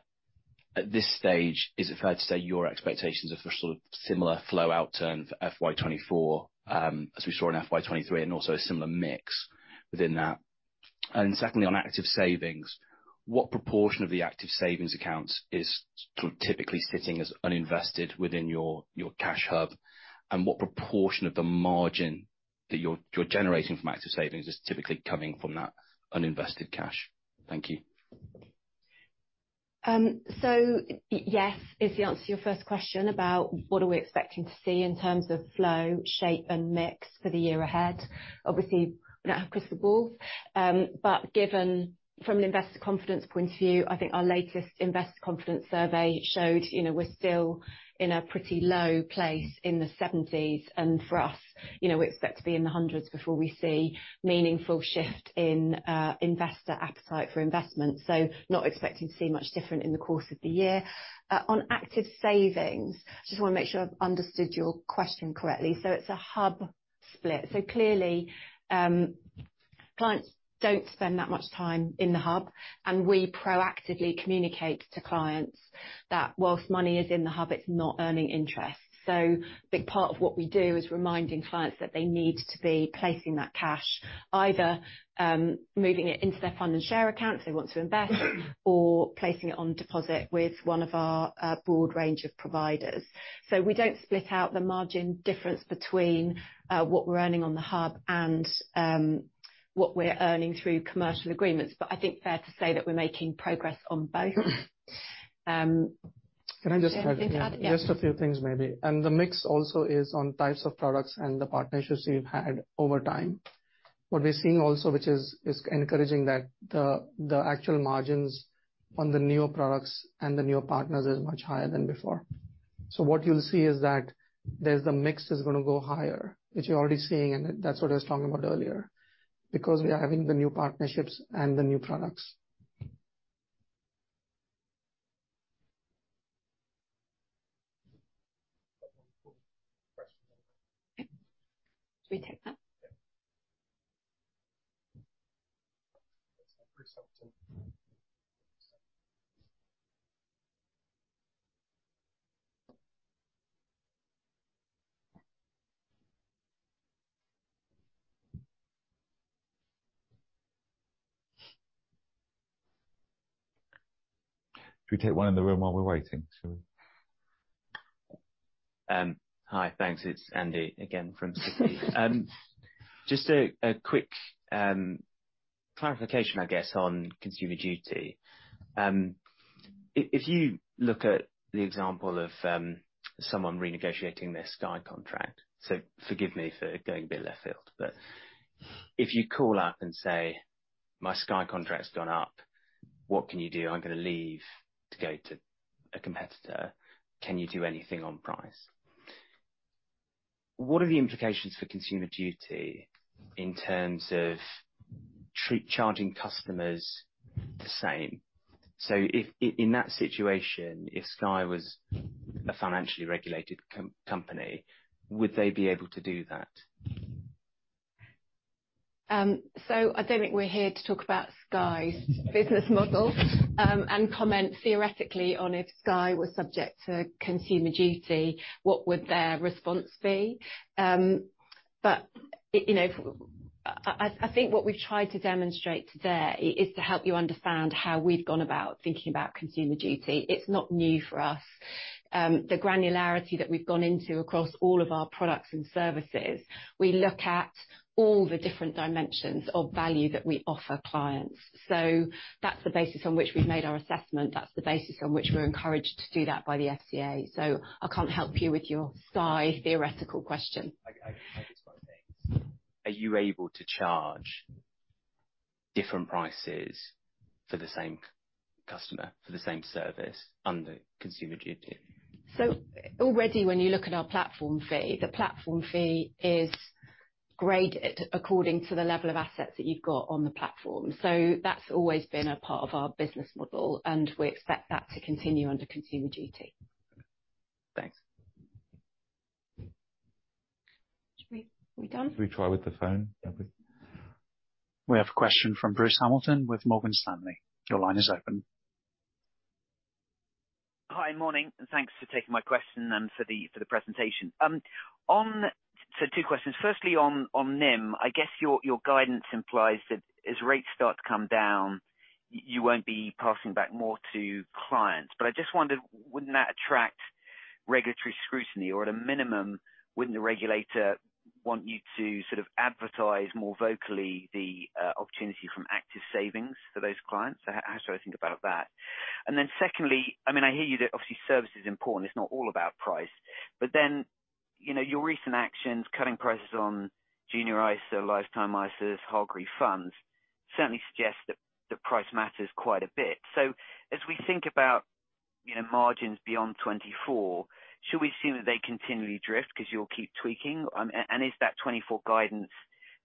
At this stage, is it fair to say your expectations are for sort of similar flow outturn for FY 2024, as we saw in FY 2023, and also a similar mix within that? And secondly, on Active Savings, what proportion of the Active Savings accounts is typically sitting as uninvested within your cash hub? And what proportion of the margin that you're generating from Active Savings is typically coming from that uninvested cash? Thank you. Yes is the answer to your first question about what are we expecting to see in terms of flow, shape, and mix for the year ahead. Obviously, we don't have crystal balls, but given from an investor confidence point of view, I think our latest investor confidence survey showed, you know, we're still in a pretty low place in the seventies, and for us, you know, we expect to be in the hundreds before we see meaningful shift in investor appetite for investment. So not expecting to see much different in the course of the year. On Active Savings, just wanna make sure I've understood your question correctly. So it's a hub split. So clearly, clients don't spend that much time in the hub, and we proactively communicate to clients that while money is in the hub, it's not earning interest. So a big part of what we do is reminding clients that they need to be placing that cash, either, moving it into their Fund and Share Accounts, if they want to invest, or placing it on deposit with one of our, broad range of providers. So we don't split out the margin difference between, what we're earning on the hub and, what we're earning through commercial agreements. But I think fair to say that we're making progress on both. Can I just add- Yeah. Just a few things maybe. The mix also is on types of products and the partnerships we've had over time. What we're seeing also, which is encouraging, that the actual margins on the newer products and the newer partners is much higher than before. So what you'll see is that there's the mix is gonna go higher, which you're already seeing, and that's what I was talking about earlier, because we are having the new partnerships and the new products. Should we take that? Yeah. Should we take one in the room while we're waiting, shall we? Hi. Thanks. It's Andy again from Citi. Just a quick clarification, I guess, on consumer duty. If you look at the example of someone renegotiating their Sky contract. Forgive me for going a bit left field, but if you call up and say, "My Sky contract's gone up, what can you do? I'm gonna leave to go to a competitor. Can you do anything on price?" What are the implications for consumer duty in terms of charging customers the same? If in that situation, if Sky was a financially regulated company, would they be able to do that? So, I don't think we're here to talk about Sky's business model, and comment theoretically on if Sky were subject to Consumer Duty, what would their response be? But, you know, I think what we've tried to demonstrate today is to help you understand how we've gone about thinking about Consumer Duty. It's not new for us. The granularity that we've gone into across all of our products and services, we look at all the different dimensions of value that we offer clients. So that's the basis on which we've made our assessment, that's the basis on which we're encouraged to do that by the FCA. So I can't help you with your Sky theoretical question. I just want to say, are you able to charge different prices for the same customer for the same service under Consumer Duty? Already, when you look at our platform fee, the platform fee is graded according to the level of assets that you've got on the platform. That's always been a part of our business model, and we expect that to continue under Consumer Duty. Thanks. Should we-- Are we done? Should we try with the phone, shall we? We have a question from Bruce Hamilton with Morgan Stanley. Your line is open. Hi, morning, and thanks for taking my question and for the presentation. So two questions. Firstly, on NIM, I guess your guidance implies that as rates start to come down, you won't be passing back more to clients. But I just wondered, wouldn't that attract regulatory scrutiny, or at a minimum, wouldn't the regulator want you to sort of advertise more vocally the opportunity from Active Savings for those clients? How should I think about that? And then secondly, I mean, I hear you that obviously, service is important, it's not all about price. But then, you know, your recent actions, cutting prices on Junior ISA, Lifetime ISAs, Hargreaves funds, certainly suggest that the price matters quite a bit. So as we think about, you know, margins beyond 2024, should we assume that they continually drift because you'll keep tweaking? Is that 24 guidance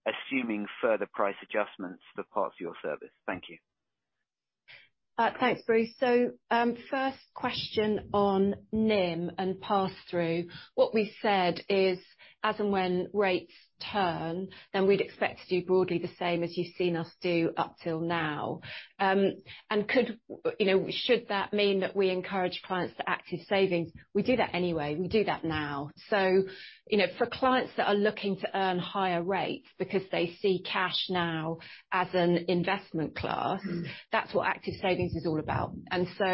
assuming further price adjustments for parts of your service? Thank you. Thanks, Bruce. So, first question on NIM and pass-through. What we said is, as and when rates turn, then we'd expect to do broadly the same as you've seen us do up till now. And could, you know, should that mean that we encourage clients to Active Savings? We do that anyway. We do that now. So, you know, for clients that are looking to earn higher rates because they see cash now as an investment class, that's what Active Savings is all about. And so,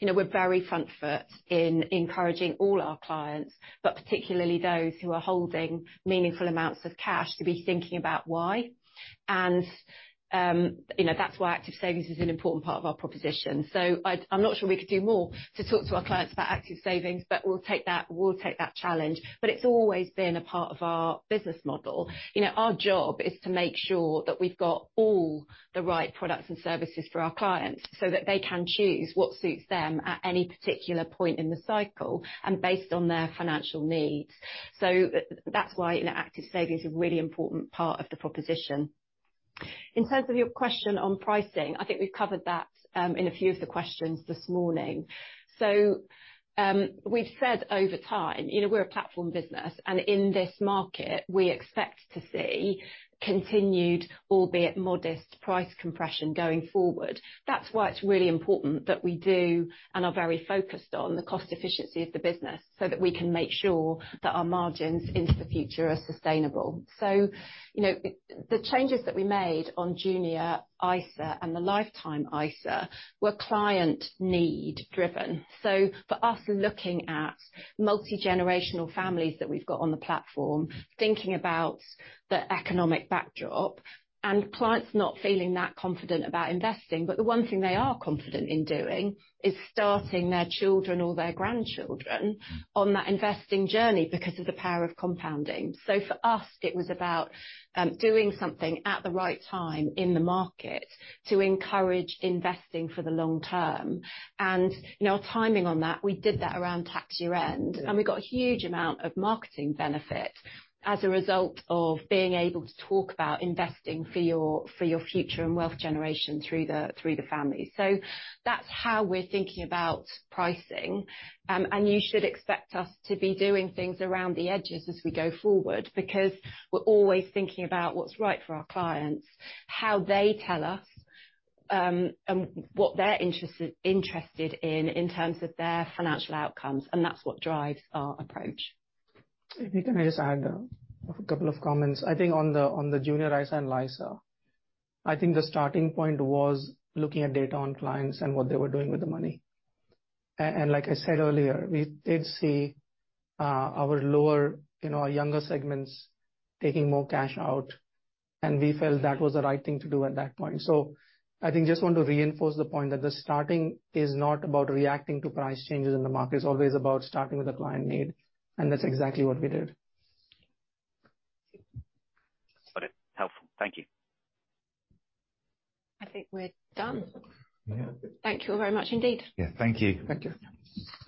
you know, we're very front foot in encouraging all our clients, but particularly those who are holding meaningful amounts of cash, to be thinking about why. And, you know, that's why Active Savings is an important part of our proposition. So I'm not sure we could do more to talk to our clients about Active Savings, but we'll take that, we'll take that challenge. But it's always been a part of our business model. You know, our job is to make sure that we've got all the right products and services for our clients, so that they can choose what suits them at any particular point in the cycle and based on their financial needs. So that's why, you know, Active Savings is a really important part of the proposition. In terms of your question on pricing, I think we've covered that in a few of the questions this morning. So, we've said over time, you know, we're a platform business, and in this market, we expect to see continued, albeit modest, price compression going forward. That's why it's really important that we do and are very focused on the cost efficiency of the business, so that we can make sure that our margins into the future are sustainable. So, you know, the changes that we made on Junior ISA and the Lifetime ISA were client need driven. So for us, looking at multigenerational families that we've got on the platform, thinking about the economic backdrop, and clients not feeling that confident about investing, but the one thing they are confident in doing is starting their children or their grandchildren on that investing journey because of the power of compounding. So for us, it was about, doing something at the right time in the market to encourage investing for the long term. You know, our timing on that, we did that around tax year-end, and we got a huge amount of marketing benefit as a result of being able to talk about investing for your future and wealth generation through the family. So that's how we're thinking about pricing, and you should expect us to be doing things around the edges as we go forward, because we're always thinking about what's right for our clients, how they tell us, and what they're interested in, in terms of their financial outcomes, and that's what drives our approach. If I can just add a couple of comments. I think on the Junior ISA and LISA, I think the starting point was looking at data on clients and what they were doing with the money. And like I said earlier, we did see our lower, you know, our younger segments taking more cash out, and we felt that was the right thing to do at that point. So I think just want to reinforce the point that the starting is not about reacting to price changes in the market, it's always about starting with the client need, and that's exactly what we did. Got it. Helpful. Thank you. I think we're done. Yeah. Thank you all very much indeed. Yeah, thank you. Thank you.